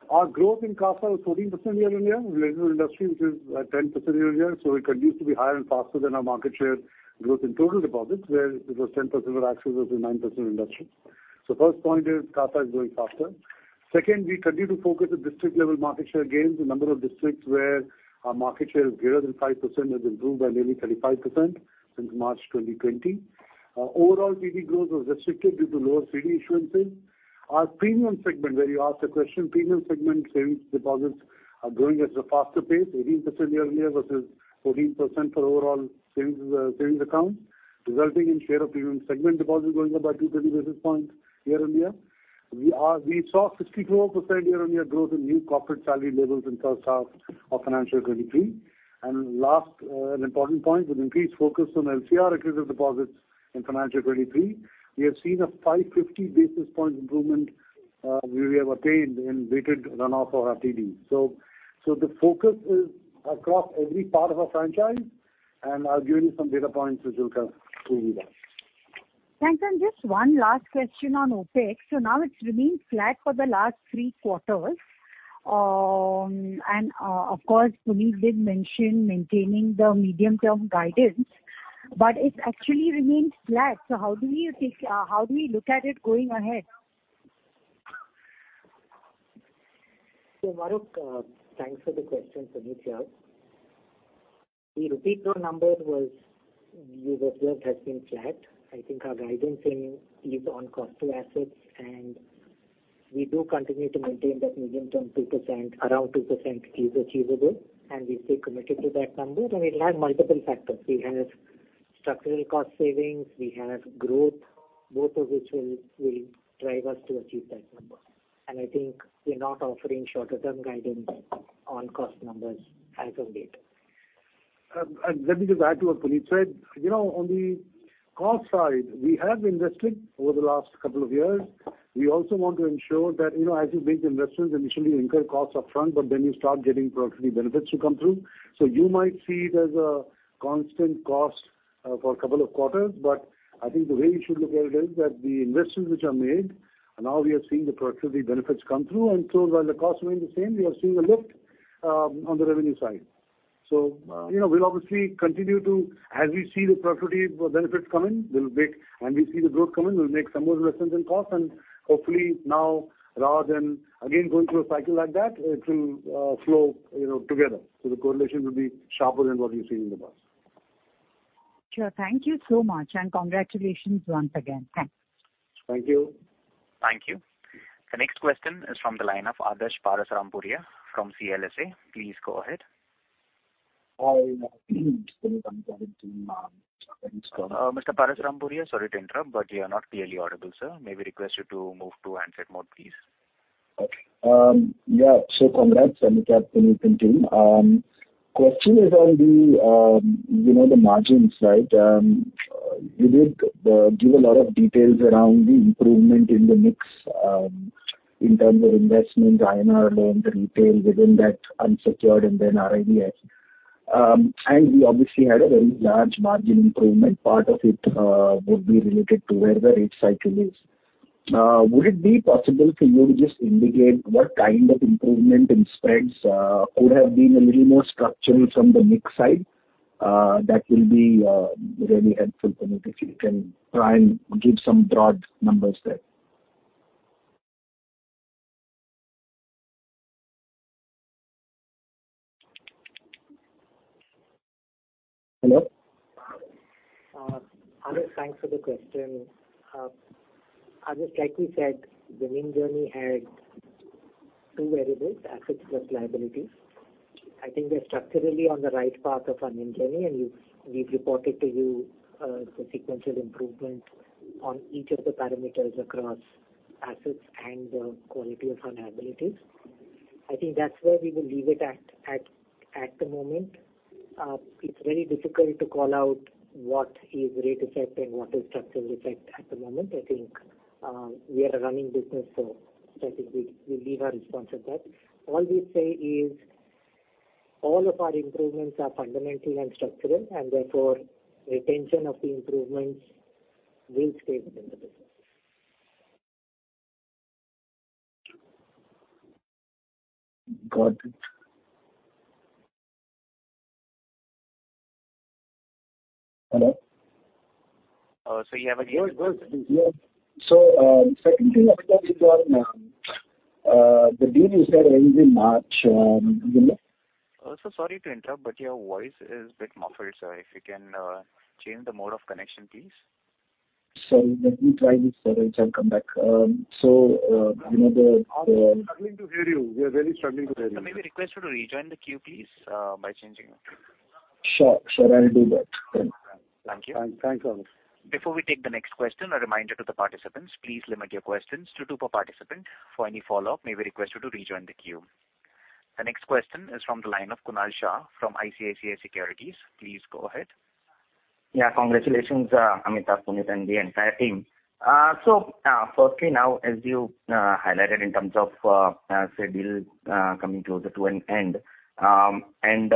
Speaker 2: Our growth in CASA was 14% year-on-year, relative to industry, which is 10% year-on-year. We continue to be higher and faster than our market share growth in total deposits, where it was 10% for Axis versus 9% industry. First point is, CASA is growing faster. Second, we continue to focus on district level market share gains. The number of districts where our market share is greater than 5% has improved by nearly 35% since March 2020. Overall TD growth was restricted due to lower CD issuances. Our premium segment, where you asked a question, premium segment savings deposits are growing at a faster pace, 18% year-on-year versus 14% for overall savings accounts, resulting in share of premium segment deposits going up by 230 basis points year-on-year. We saw 64% year-on-year growth in new corporate salary labels in H1 of financial 2023. Last, an important point, with increased focus on LCR accretive deposits in financial 2023, we have seen a 550 basis points improvement, we have attained in weighted run off of our TD. The focus is across every part of our franchise, and I'll give you some data points which will kind of prove that.
Speaker 4: Thanks, just one last question on OpEx. Now it's remained flat for the last three quarters. Of course, Puneet did mention maintaining the medium-term guidance, but it actually remains flat. How do you think, how do we look at it going ahead?
Speaker 3: Mahrukh, thanks for the question. Puneet here. The rupee flow number was, you observed, has been flat. I think our guidance is on cost to assets, and we do continue to maintain that medium-term 2%, around 2% is achievable, and we stay committed to that number. It'll have multiple factors. We have structural cost savings, we have growth, both of which will drive us to achieve that number. I think we're not offering shorter-term guidance on cost numbers as of date.
Speaker 2: Let me just add to what Puneet said. You know, on the cost side, we have invested over the last couple of years. We also want to ensure that, you know, as you make the investments, initially you incur costs up front, but then you start getting productivity benefits to come through. You might see it as a constant cost for a couple of quarters, but I think the way you should look at it is that the investments which are made, now we are seeing the productivity benefits come through, and so while the costs remain the same, we are seeing a lift on the revenue side. You know, we'll obviously continue to. As we see the productivity benefits come in and we see the growth come in, we'll make some more investments in costs, and hopefully now rather than again going through a cycle like that, it will flow, you know, together. The correlation will be sharper than what we've seen in the past.
Speaker 5: Sure. Thank you so much, and congratulations once again. Thanks.
Speaker 2: Thank you.
Speaker 1: Thank you. The next question is from the line of Adarsh Parasrampuria from CLSA. Please go ahead.
Speaker 5: I
Speaker 1: Mr. Parasrampuria, sorry to interrupt, but you're not clearly audible, sir. May we request you to move to handset mode, please?
Speaker 5: Okay. Yeah. Congrats, Amitabh, Puneet and team. Question is on the, you know, the margins, right? You did give a lot of details around the improvement in the mix, in terms of investment, INR loan, the retail within that unsecured and then RIVs. We obviously had a very large margin improvement. Part of it would be related to where the rate cycle is. Would it be possible for you to just indicate what kind of improvement in spreads could have been a little more structural from the mix side? That will be really helpful for me if you can try and give some broad numbers there. Hello?
Speaker 3: Adarsh, thanks for the question. Adarsh, like we said, the NIM journey had two variables, assets plus liabilities. I think we're structurally on the right path of our NIM journey, and we've reported to you the sequential improvement on each of the parameters across assets and the quality of our liabilities. I think that's where we will leave it at the moment. It's very difficult to call out what is rate effect and what is structural effect at the moment. I think we are a running business, so I think we'll leave our response at that. All we say is all of our improvements are fundamental and structural, and therefore retention of the improvements will stay within the business.
Speaker 5: Got it. Hello?
Speaker 1: You have a
Speaker 5: Yes. Second thing, Amitabh, is on the deal you said ends in March.
Speaker 1: Sir, sorry to interrupt, but your voice is a bit muffled, sir. If you can, change the mode of connection, please.
Speaker 5: Sorry. Let me try this, sir. I'll come back.
Speaker 2: We are struggling to hear you. We are really struggling to hear you.
Speaker 1: May we request you to rejoin the queue, please, by changing it?
Speaker 5: Sure. Sure. I'll do that.
Speaker 1: Thank you.
Speaker 5: Thanks a lot.
Speaker 1: Before we take the next question, a reminder to the participants, please limit your questions to two per participant. For any follow-up, may we request you to rejoin the queue. The next question is from the line of Kunal Shah from ICICI Securities. Please go ahead.
Speaker 6: Congratulations, Amitabh, Puneet and the entire team. Firstly, now, as you highlighted in terms of, Citi deal coming closer to an end, and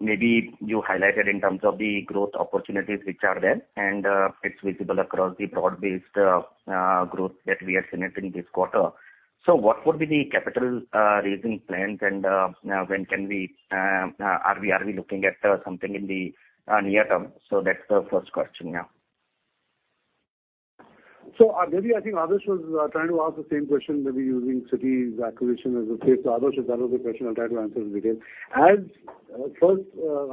Speaker 6: maybe you highlighted in terms of the growth opportunities which are there and it's visible across the broad-based growth that we are seeing in this quarter. What would be the capital raising plans and when can we are we looking at something in the near term? That's the first question, yeah.
Speaker 2: Maybe I think Adarsh Parasrampuria was trying to ask the same question, maybe using Citi's acquisition as a case. Adarsh Parasrampuria, if that was the question, I'll try to answer in detail. First,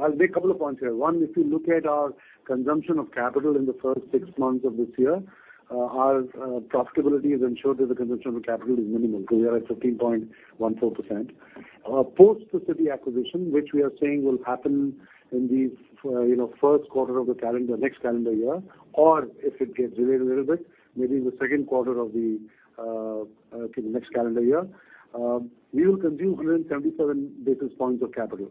Speaker 2: I'll make a couple of points here. One, if you look at our consumption of capital in the first six months of this year, our profitability has ensured that the consumption of capital is minimal, so we are at 13.14%. Post the Citi acquisition, which we are saying will happen in the, you know, Q1 of the calendar next calendar year, or if it gets delayed a little bit, maybe in the Q2 of the next calendar year, we will consume 177 basis points of capital.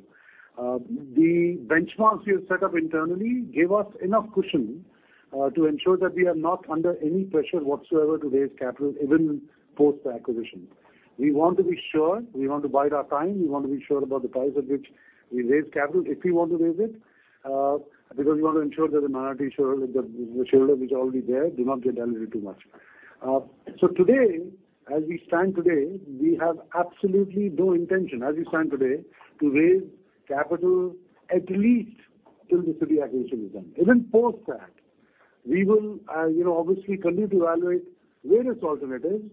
Speaker 2: The benchmarks we have set up internally give us enough cushion to ensure that we are not under any pressure whatsoever to raise capital even post the acquisition. We want to be sure, we want to bide our time, we want to be sure about the price at which we raise capital, if we want to raise it, because we want to ensure that the minority shareholder, the shareholder which are already there do not get diluted too much. Today, as we stand today, we have absolutely no intention, as we stand today, to raise capital at least till the Citi acquisition is done. Even post that, we will, you know, obviously continue to evaluate various alternatives,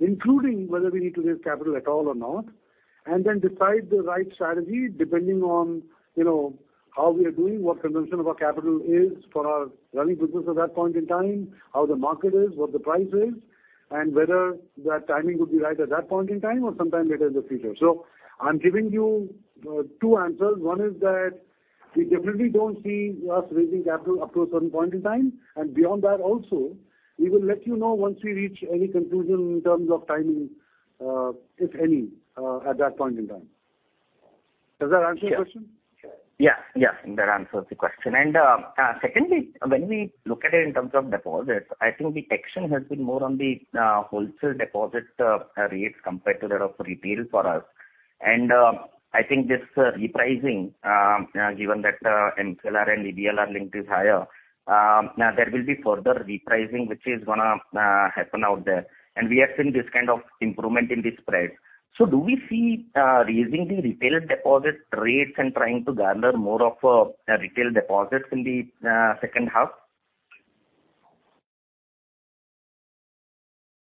Speaker 2: including whether we need to raise capital at all or not, and then decide the right strategy depending on, you know, how we are doing, what consumption of our capital is for our running business at that point in time, how the market is, what the price is, and whether that timing would be right at that point in time or sometime later in the future. So I'm giving you, two answers. One is that we definitely don't see us raising capital up to a certain point in time, and beyond that also, we will let you know once we reach any conclusion in terms of timing, if any, at that point in time. Does that answer your question?
Speaker 6: That answers the question. Secondly, when we look at it in terms of deposits, I think the action has been more on the wholesale deposit rates compared to that of retail for us. I think this repricing, given that MCLR and EBLR linked is higher, there will be further repricing which is gonna happen out there. We have seen this kind of improvement in the spread. Do we see raising the retail deposit rates and trying to garner more of retail deposits in the H2?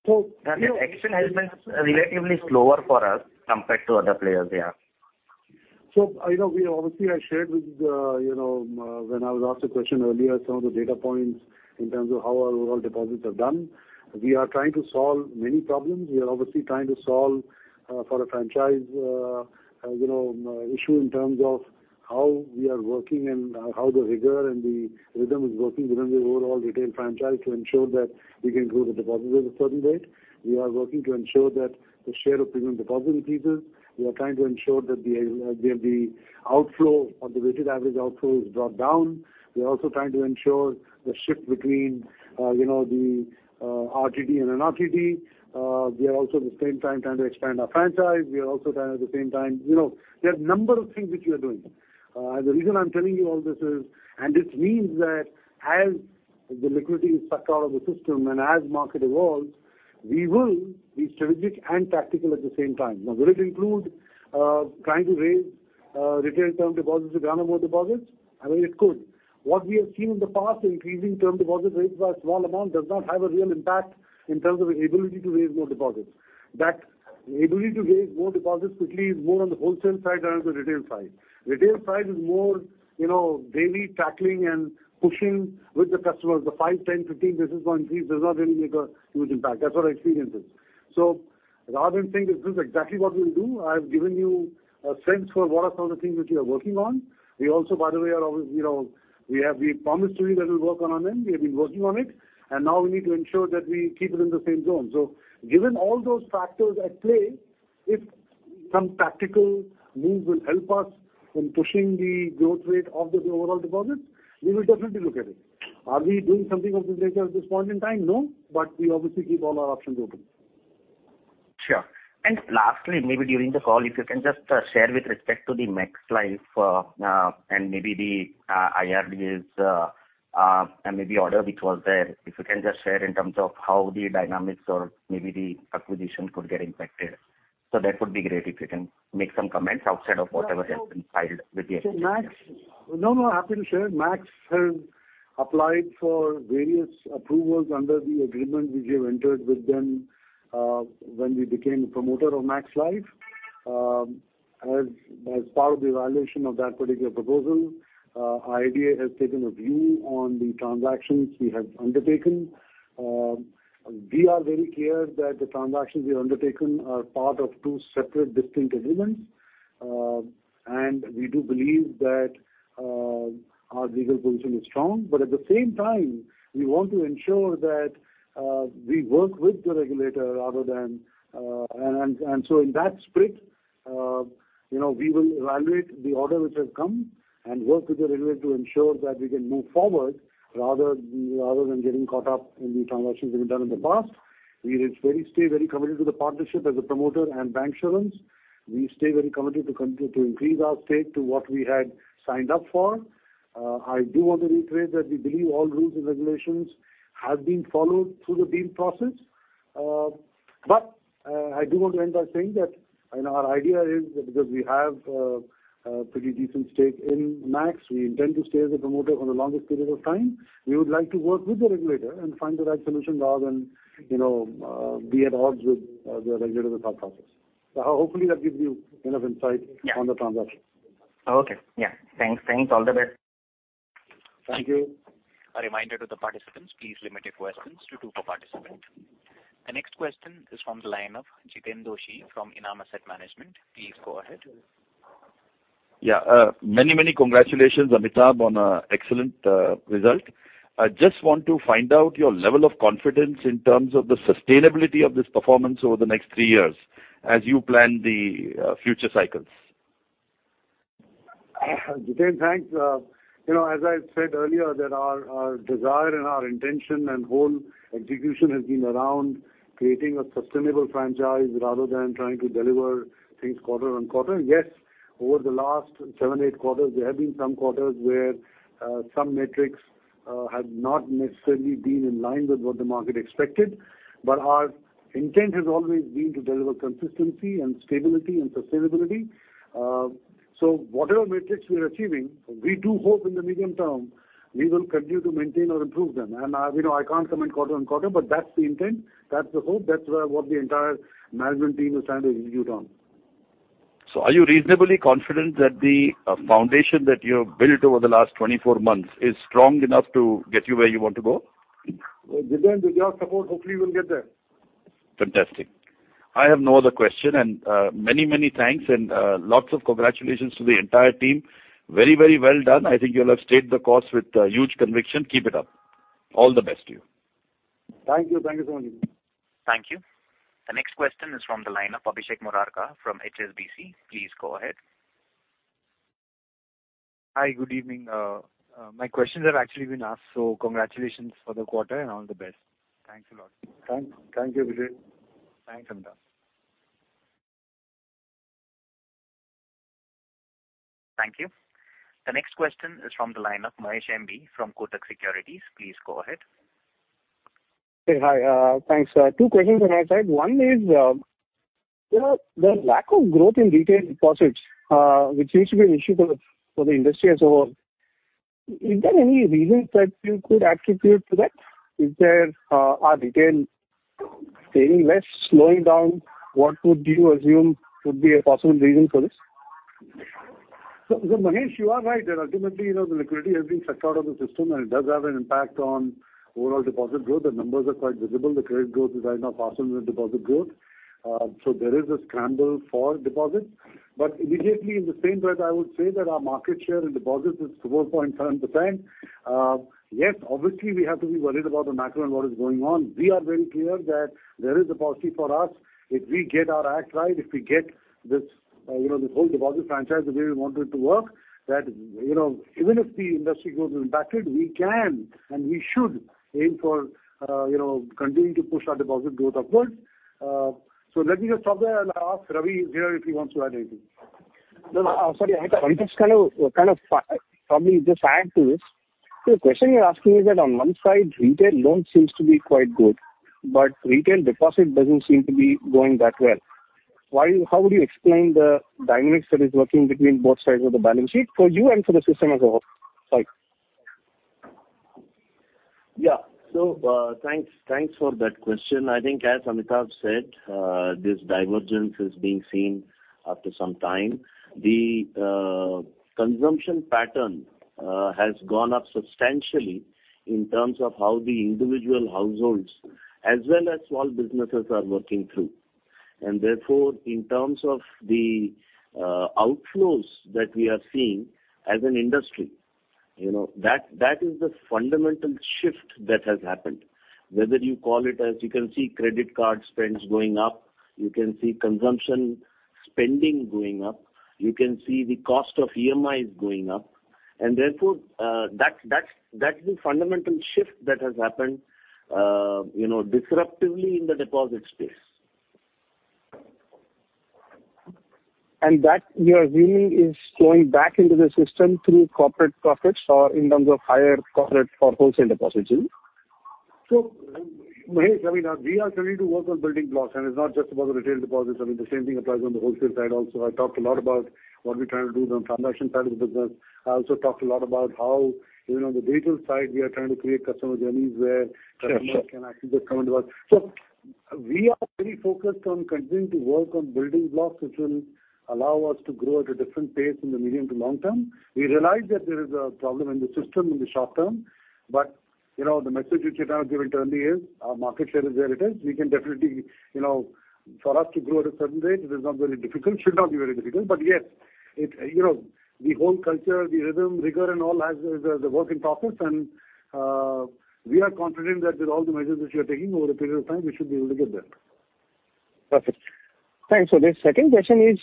Speaker 2: So-
Speaker 6: The action has been relatively slower for us compared to other players here.
Speaker 2: You know, we obviously I shared with you know, when I was asked a question earlier, some of the data points in terms of how our overall deposits have done. We are trying to solve many problems. We are obviously trying to solve for a franchise you know, issue in terms of how we are working and how the rigor and the rhythm is working within the overall retail franchise to ensure that we can grow the deposit at a certain rate. We are working to ensure that the share of premium deposit increases. We are trying to ensure that the outflow of the weighted average outflow is brought down. We are also trying to ensure the shift between you know, the RTD and NRTD. We are also at the same time trying to expand our franchise. We are also trying at the same time, you know, there are a number of things which we are doing. The reason I'm telling you all this is, and this means that as the liquidity is sucked out of the system and as market evolves, we will be strategic and tactical at the same time. Now, will it include trying to raise retail term deposits to garner more deposits? I mean, it could. What we have seen in the past, increasing term deposits rates by a small amount does not have a real impact in terms of ability to raise more deposits. That ability to raise more deposits quickly is more on the wholesale side than on the retail side. Retail side is more, you know, daily tackling and pushing with the customers. The 5, 10, 15 basis point increase does not really make a huge impact. That's what our experience is. Rather than saying this is exactly what we'll do, I've given you a sense for what are some of the things which we are working on. We also, by the way, are always, you know, we have, we promised to you that we'll work on our end. We have been working on it, and now we need to ensure that we keep it in the same zone. Given all those factors at play, if some tactical moves will help us in pushing the growth rate of the overall deposits, we will definitely look at it. Are we doing something of this nature at this point in time? No. We obviously keep all our options open.
Speaker 6: Sure. Lastly, maybe during the call, if you can just share with respect to the Max Life, and maybe the IRDAI's order which was there, if you can just share in terms of how the dynamics or maybe the acquisition could get impacted. That would be great if you can make some comments outside of whatever has been filed with the SEBI.
Speaker 2: No, no, happy to share. Max has applied for various approvals under the agreement which we have entered with them, when we became a promoter of Max Life. As part of the evaluation of that particular proposal, IRDAI has taken a view on the transactions we have undertaken. We are very clear that the transactions we have undertaken are part of two separate distinct agreements. We do believe that our legal position is strong. At the same time, we want to ensure that we work with the regulator rather than. In that spirit, you know, we will evaluate the order which has come and work with the regulator to ensure that we can move forward rather than getting caught up in the transactions we've done in the past. We stay very committed to the partnership as a promoter and bancassurance. We stay very committed to continue to increase our stake to what we had signed up for. I do want to reiterate that we believe all rules and regulations have been followed through the deal process. I do want to end by saying that our idea is that because we have a pretty decent stake in Max, we intend to stay as a promoter for the longest period of time. We would like to work with the regulator and find the right solution rather than, you know, be at odds with the regulator in that process. Hopefully that gives you enough insight.
Speaker 6: Yeah.
Speaker 2: On the transaction.
Speaker 6: Okay. Yeah. Thanks. Thanks. All the best.
Speaker 2: Thank you.
Speaker 1: A reminder to the participants, please limit your questions to two per participant. The next question is from the line of Jiten Doshi from Enam Asset Management. Please go ahead.
Speaker 7: Yeah. Many, many congratulations, Amitabh, on an excellent result. I just want to find out your level of confidence in terms of the sustainability of this performance over the next three years as you plan the future cycles.
Speaker 2: Jitin, thanks. You know, as I said earlier that our desire and our intention and whole execution has been around creating a sustainable franchise rather than trying to deliver things quarter on quarter. Yes, over the last seven, eight quarters, there have been some quarters where some metrics have not necessarily been in line with what the market expected. Our intent has always been to deliver consistency and stability and sustainability. So whatever metrics we are achieving, we do hope in the medium term we will continue to maintain or improve them. You know, I can't comment quarter on quarter, but that's the intent. That's the hope. That's what the entire management team is trying to execute on.
Speaker 7: Are you reasonably confident that the foundation that you have built over the last 24 months is strong enough to get you where you want to go?
Speaker 2: Well, Jiten, with your support, hopefully we'll get there.
Speaker 7: Fantastic. I have no other question. many, many thanks and lots of congratulations to the entire team. Very, very well done. I think you'll have stayed the course with huge conviction. Keep it up. All the best to you.
Speaker 2: Thank you. Thank you so much.
Speaker 1: Thank you. The next question is from the line of Abhishek Murarka from HSBC. Please go ahead.
Speaker 8: Hi, good evening. My questions have actually been asked, so congratulations for the quarter and all the best. Thanks a lot.
Speaker 2: Thank you, Vijay.
Speaker 9: Thanks, Amitabh.
Speaker 1: Thank you. The next question is from the line of M. B. Mahesh from Kotak Securities. Please go ahead.
Speaker 10: Hi. Thanks. Two questions on our side. One is, you know, the lack of growth in retail deposits, which seems to be an issue for the industry as a whole. Is there any reason that you could attribute to that? Are retail savings slowing down? What would you assume could be a possible reason for this?
Speaker 2: Mahesh, you are right that ultimately, you know, the liquidity has been sucked out of the system, and it does have an impact on overall deposit growth. The numbers are quite visible. The credit growth is right now faster than the deposit growth. There is a scramble for deposits. Immediately in the same breath, I would say that our market share in deposits is 4.7%. Obviously we have to be worried about the macro and what is going on. We are very clear that there is a policy for us. If we get our act right, if we get this, you know, this whole deposit franchise the way we want it to work, that, you know, even if the industry growth is impacted, we can and we should aim for, you know, continuing to push our deposit growth upwards. Let me just stop there and I'll ask Ravi here if he wants to add anything.
Speaker 10: No, sorry. I just kind of follow. Probably just add to this. The question you're asking is that on one side, retail loans seems to be quite good, but retail deposit doesn't seem to be going that well. Why, how would you explain the dynamics that is working between both sides of the balance sheet for you and for the system as a whole? Sorry.
Speaker 11: Yeah. Thanks for that question. I think as Amitabh said, this divergence is being seen after some time. The consumption pattern has gone up substantially in terms of how the individual households as well as small businesses are working through. Therefore, in terms of the outflows that we are seeing as an industry, you know, that is the fundamental shift that has happened. Whether you call it as you can see credit card spends going up, you can see consumption spending going up, you can see the cost of EMI is going up and therefore, that's the fundamental shift that has happened, you know, disruptively in the deposit space.
Speaker 10: that you're assuming is flowing back into the system through corporate profits or in terms of higher corporate or wholesale deposits, is it?
Speaker 2: Mahesh, I mean, we are continuing to work on building blocks, and it's not just about the retail deposits. I mean, the same thing applies on the wholesale side also. I talked a lot about what we're trying to do on transaction side of the business. I also talked a lot about how even on the retail side, we are trying to create customer journeys where customers.
Speaker 10: Sure, sure.
Speaker 2: Can actually just come and work. We are very focused on continuing to work on building blocks which will allow us to grow at a different pace in the medium to long term. We realize that there is a problem in the system in the short term, but you know, the message which we have given internally is our market share is where it is. We can definitely, you know, for us to grow at a certain rate, it is not very difficult. Should not be very difficult. But yes, it, you know, the whole culture, the rhythm, rigor and all is a work in progress. We are confident that with all the measures which we are taking over a period of time, we should be able to get there.
Speaker 10: Perfect. Thanks. The second question is,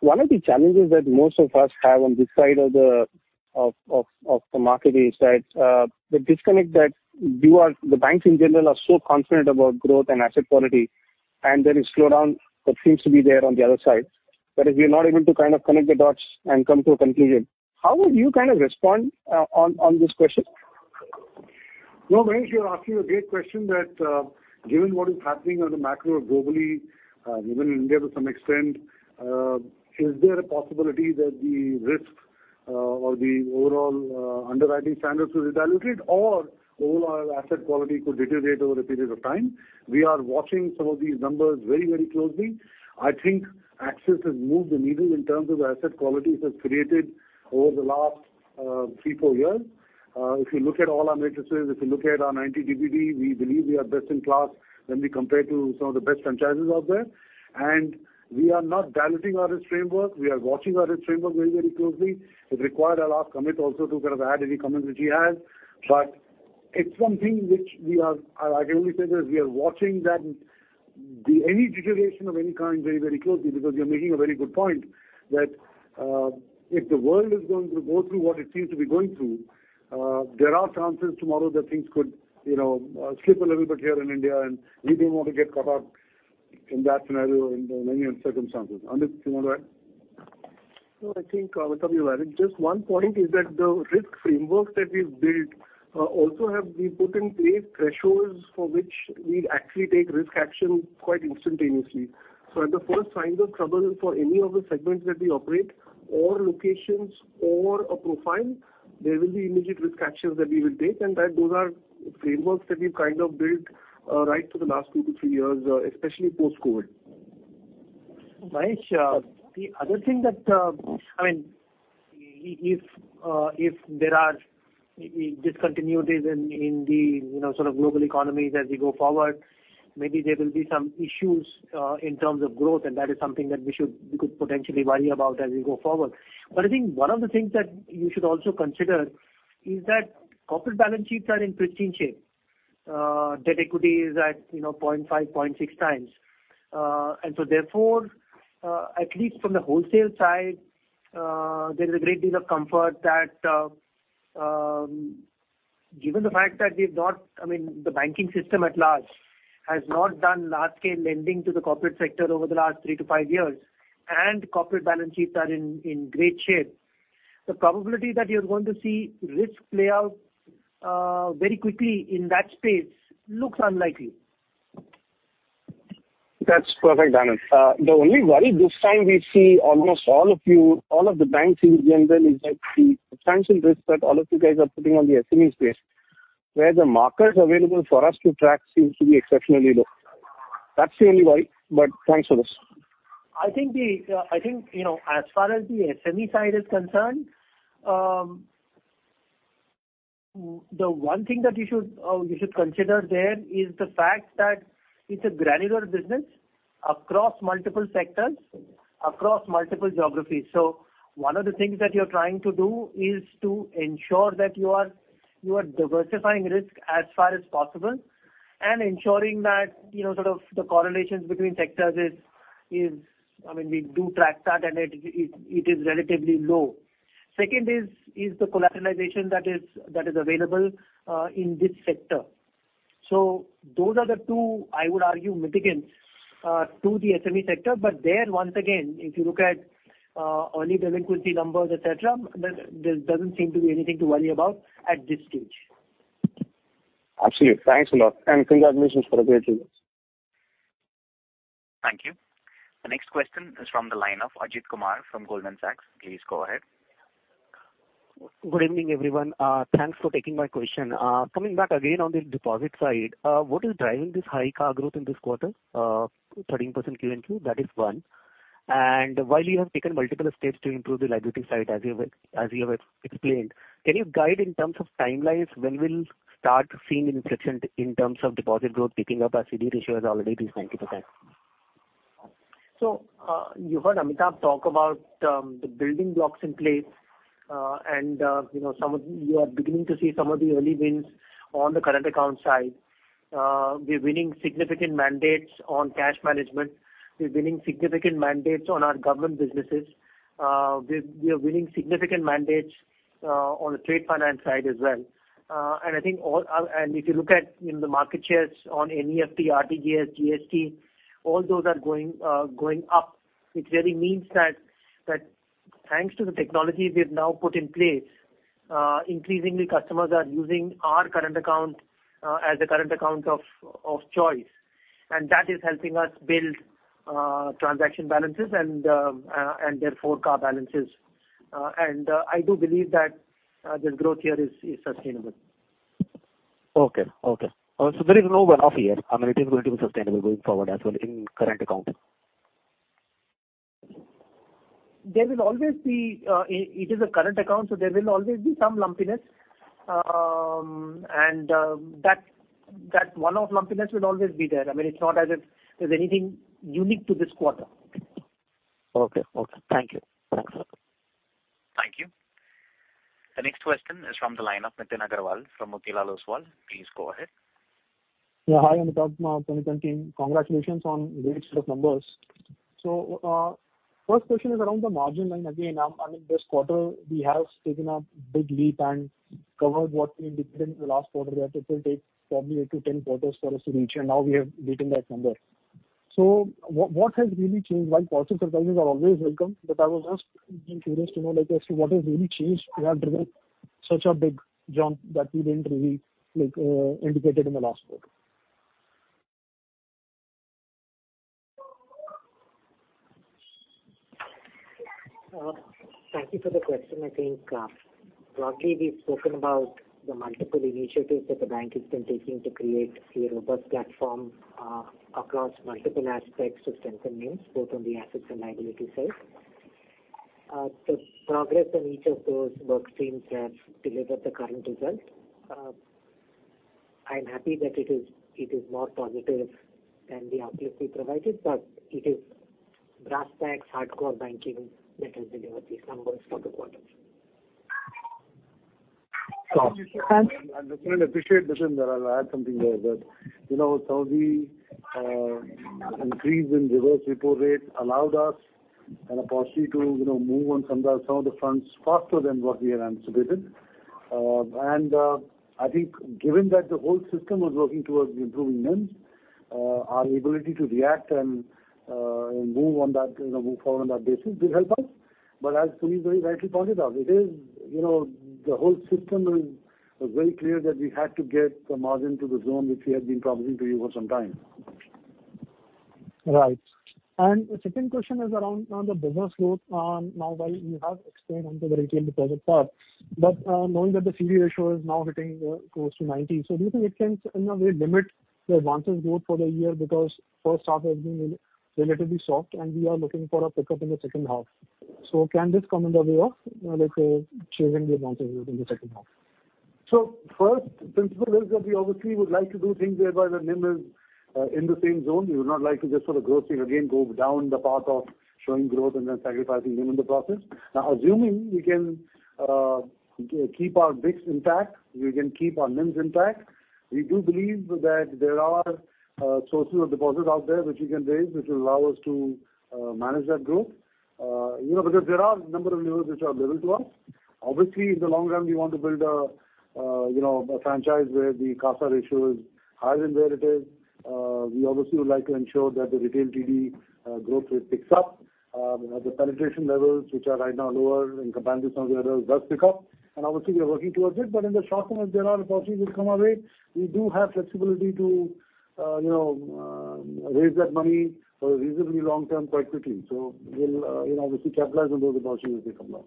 Speaker 10: one of the challenges that most of us have on this side of the market is that, the disconnect that you are, the banks in general are so confident about growth and asset quality and there is slowdown that seems to be there on the other side. But if you're not able to kind of connect the dots and come to a conclusion, how would you kind of respond, on this question?
Speaker 2: No, M. B. Mahesh, you're asking a great question that, given what is happening on the macro globally, even in India to some extent, is there a possibility that the risk, or the overall, underwriting standards will be diluted or overall asset quality could deteriorate over a period of time? We are watching some of these numbers very, very closely. I think Axis has moved the needle in terms of asset quality it has created over the last three, four years. If you look at all our metrics, if you look at our 90 DPD, we believe we are best in class when we compare to some of the best franchises out there. We are not diluting our risk framework. We are watching our risk framework very, very closely. If required, I'll ask Amit Talgeri also to kind of add any comments which he has. It's something which we are. I can only say this, we are watching that any deterioration of any kind very, very closely because you're making a very good point that if the world is going to go through what it seems to be going through, there are chances tomorrow that things could, you know, skip a little bit here in India and we don't want to get caught up in that scenario in many circumstances. Amit, you want to add?
Speaker 12: No, I think, Amit, you added. Just one point is that the risk framework that we've built, we put in place thresholds for which we actually take risk action quite instantaneously. So at the first sign of trouble for any of the segments that we operate or locations or a profile, there will be immediate risk actions that we will take. That, those are frameworks that we've kind of built, right through the last 2-3 years, especially post-COVID.
Speaker 9: Mahesh, the other thing that, I mean, if there are discontinuities in the, you know, sort of global economies as we go forward, maybe there will be some issues in terms of growth, and that is something that we should, we could potentially worry about as we go forward. But I think one of the things that you should also consider is that corporate balance sheets are in pristine shape. Debt equity is at, you know, 0.5-0.6 times. And so therefore, at least from the wholesale side, there's a great deal of comfort that, given the fact that I mean, the banking system at large has not done large-scale lending to the corporate sector over the last 3-5 years, and corporate balance sheets are in great shape. The probability that you're going to see risk play out, very quickly in that space looks unlikely.
Speaker 10: That's perfect, Rajiv Anand. The only worry this time we see almost all of you, all of the banks in general, is that the substantial risk that all of you guys are putting on the SMEs space, where the markers available for us to track seems to be exceptionally low. That's the only worry. Thanks for this.
Speaker 9: I think, you know, as far as the SME side is concerned, the one thing that you should consider there is the fact that it's a granular business across multiple sectors, across multiple geographies. One of the things that you're trying to do is to ensure that you are diversifying risk as far as possible and ensuring that, you know, sort of the correlations between sectors is, I mean, we do track that and it is relatively low. Second is the collateralization that is available in this sector. Those are the two, I would argue, mitigants to the SME sector. There, once again, if you look at early delinquency numbers, et cetera, there doesn't seem to be anything to worry about at this stage.
Speaker 10: Absolutely. Thanks a lot and congratulations for a great result.
Speaker 1: Thank you. The next question is from the line of Ajit Kumar from Goldman Sachs. Please go ahead.
Speaker 13: Good evening, everyone. Thanks for taking my question. Coming back again on the deposit side, what is driving this high CA growth in this quarter? 13% QoQ, that is one. While you have taken multiple steps to improve the liability side, as you have explained, can you guide in terms of timelines when we'll start seeing inflection in terms of deposit growth picking up as CD ratio is already 90%?
Speaker 9: You heard Amitabh talk about the building blocks in place. You know, some of you are beginning to see some of the early wins on the current account side. We're winning significant mandates on cash management. We're winning significant mandates on our government businesses. We are winning significant mandates on the trade finance side as well. I think if you look at, you know, the market shares on NEFT, RTGS, GST, all those are going up, which really means that thanks to the technologies we've now put in place, increasingly customers are using our current account as a current account of choice. That is helping us build transaction balances and therefore CA balances. I do believe that this growth here is sustainable.
Speaker 13: Okay. There is no one-off here. I mean, it is going to be sustainable going forward as well in current account.
Speaker 9: There will always be. It is a current account, so there will always be some lumpiness. That one-off lumpiness will always be there. I mean, it's not as if there's anything unique to this quarter.
Speaker 13: Okay. Thank you. Thanks a lot.
Speaker 1: Thank you. The next question is from the line of Nitin Aggarwal from Motilal Oswal. Please go ahead.
Speaker 14: Yeah, hi, Amitabh, Nitin Aggarwal team. Congratulations on great set of numbers. First question is around the margin line. Again, I mean, this quarter we have taken a big leap and covered what we did in the last quarter that it will take probably 8-10 quarters for us to reach, and now we have beaten that number. What has really changed? While positive surprises are always welcome, but I was just being curious to know, like, actually what has really changed to have driven such a big jump that we didn't really, like, indicate it in the last quarter?
Speaker 3: Thank you for the question. I think, broadly, we've spoken about the multiple initiatives that the bank has been taking to create a robust platform, across multiple aspects to strengthen NIMs, both on the assets and liability side. The progress on each of those workstreams have delivered the current result. I'm happy that it is more positive than the outlook we provided, but it is brass tacks, hardcore banking that has delivered these numbers for the quarter.
Speaker 14: Thank you.
Speaker 1: Thanks.
Speaker 9: Nitin, appreciate, Nitin, but I'll add something there that, you know, how the increase in reverse repo rate allowed us an opportunity to, you know, move on some of the fronts faster than what we had anticipated. I think given that the whole system was working towards improving NIMs, our ability to react and move on that, you know, move forward on that basis did help us. As Sunil very rightly pointed out, it is, you know, the whole system is very clear that we had to get the margin to the zone which we had been promising to you for some time.
Speaker 14: Right. The second question is around on the business growth. Now while you have explained on the retail deposit part, but knowing that the CD ratio is now hitting close to 90, so do you think it can in a way limit the advances growth for the year? Because H1 has been relatively soft, and we are looking for a pickup in the H2. Can this come in the way of, let's say, achieving the advances growth in the H2?
Speaker 9: First principle is that we obviously would like to do things whereby the NIM is. In the same zone, we would not like to just sort of grossly again go down the path of showing growth and then sacrificing NIM in the process. Now assuming we can keep our mix intact, we can keep our NIMs intact. We do believe that there are sources of deposits out there which we can raise, which will allow us to manage that growth. You know, because there are a number of levers which are available to us. Obviously, in the long run, we want to build a you know, a franchise where the CASA ratio is higher than where it is. We obviously would like to ensure that the retail TD growth rate picks up. The penetration levels, which are right now lower in comparison to others, does pick up. Obviously we are working towards it. in the short term, if there are deposits which come our way, we do have flexibility to, you know, raise that money for a reasonably long term quite quickly. We'll, you know, obviously capitalize on those deposits as they come along.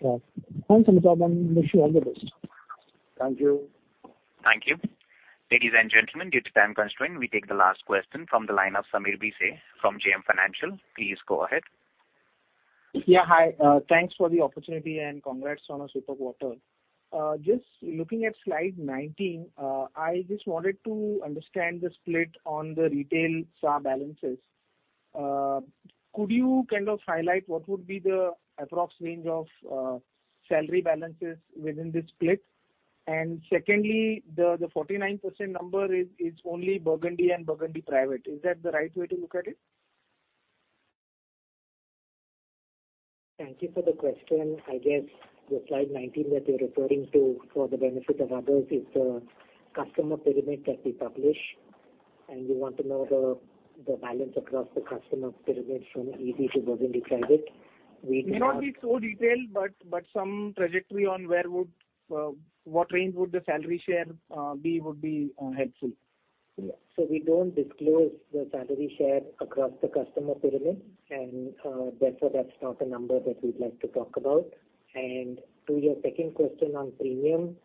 Speaker 14: Sure. Thanks a lot. Wish you all the best.
Speaker 3: Thank you.
Speaker 1: Thank you. Ladies and gentlemen, due to time constraint, we take the last question from the line of Sameer Bhise from JM Financial. Please go ahead.
Speaker 15: Yeah. Hi, thanks for the opportunity and congrats on a super quarter. Just looking at slide 19, I just wanted to understand the split on the retail savings balances. Could you kind of highlight what would be the approx range of salary balances within this split? And secondly, the 49% number is only Burgundy and Burgundy Private. Is that the right way to look at it?
Speaker 3: Thank you for the question. I guess the slide 19 that you're referring to for the benefit of others is the customer pyramid that we publish. You want to know the balance across the customer pyramid from Easy to Burgundy Private. We do have.
Speaker 15: Might not be so detailed, but some trajectory on where would what range would the CASA share be helpful.
Speaker 3: Yeah. We don't disclose the salary share across the customer pyramid and, therefore that's not a number that we'd like to talk about. To your second question on premium,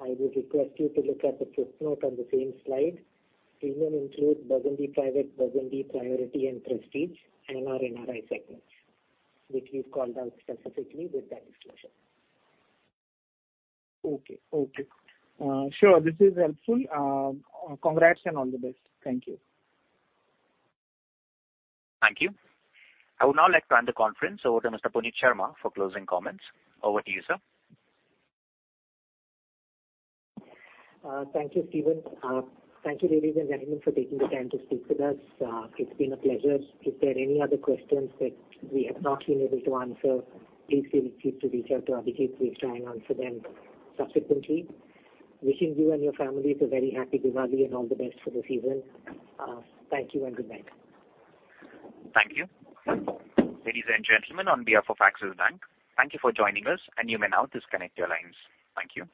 Speaker 3: I would request you to look at the footnote on the same slide. Premium includes Burgundy Private, Burgundy Priority and Prestige NR/NRI segments, which we've called out specifically with that disclosure.
Speaker 15: Okay. Sure. This is helpful. Congrats and all the best. Thank you.
Speaker 1: Thank you. I would now like to hand the conference over to Mr. Puneet Sharma for closing comments. Over to you, sir.
Speaker 3: Thank you, Steven. Thank you, ladies and gentlemen, for taking the time to speak with us. It's been a pleasure. If there are any other questions that we have not been able to answer, please feel free to reach out to Abhishek, who will try and answer them subsequently. Wishing you and your families a very happy Diwali and all the best for the season. Thank you and good night.
Speaker 1: Thank you. Ladies and gentlemen, on behalf of Axis Bank, thank you for joining us, and you may now disconnect your lines. Thank you.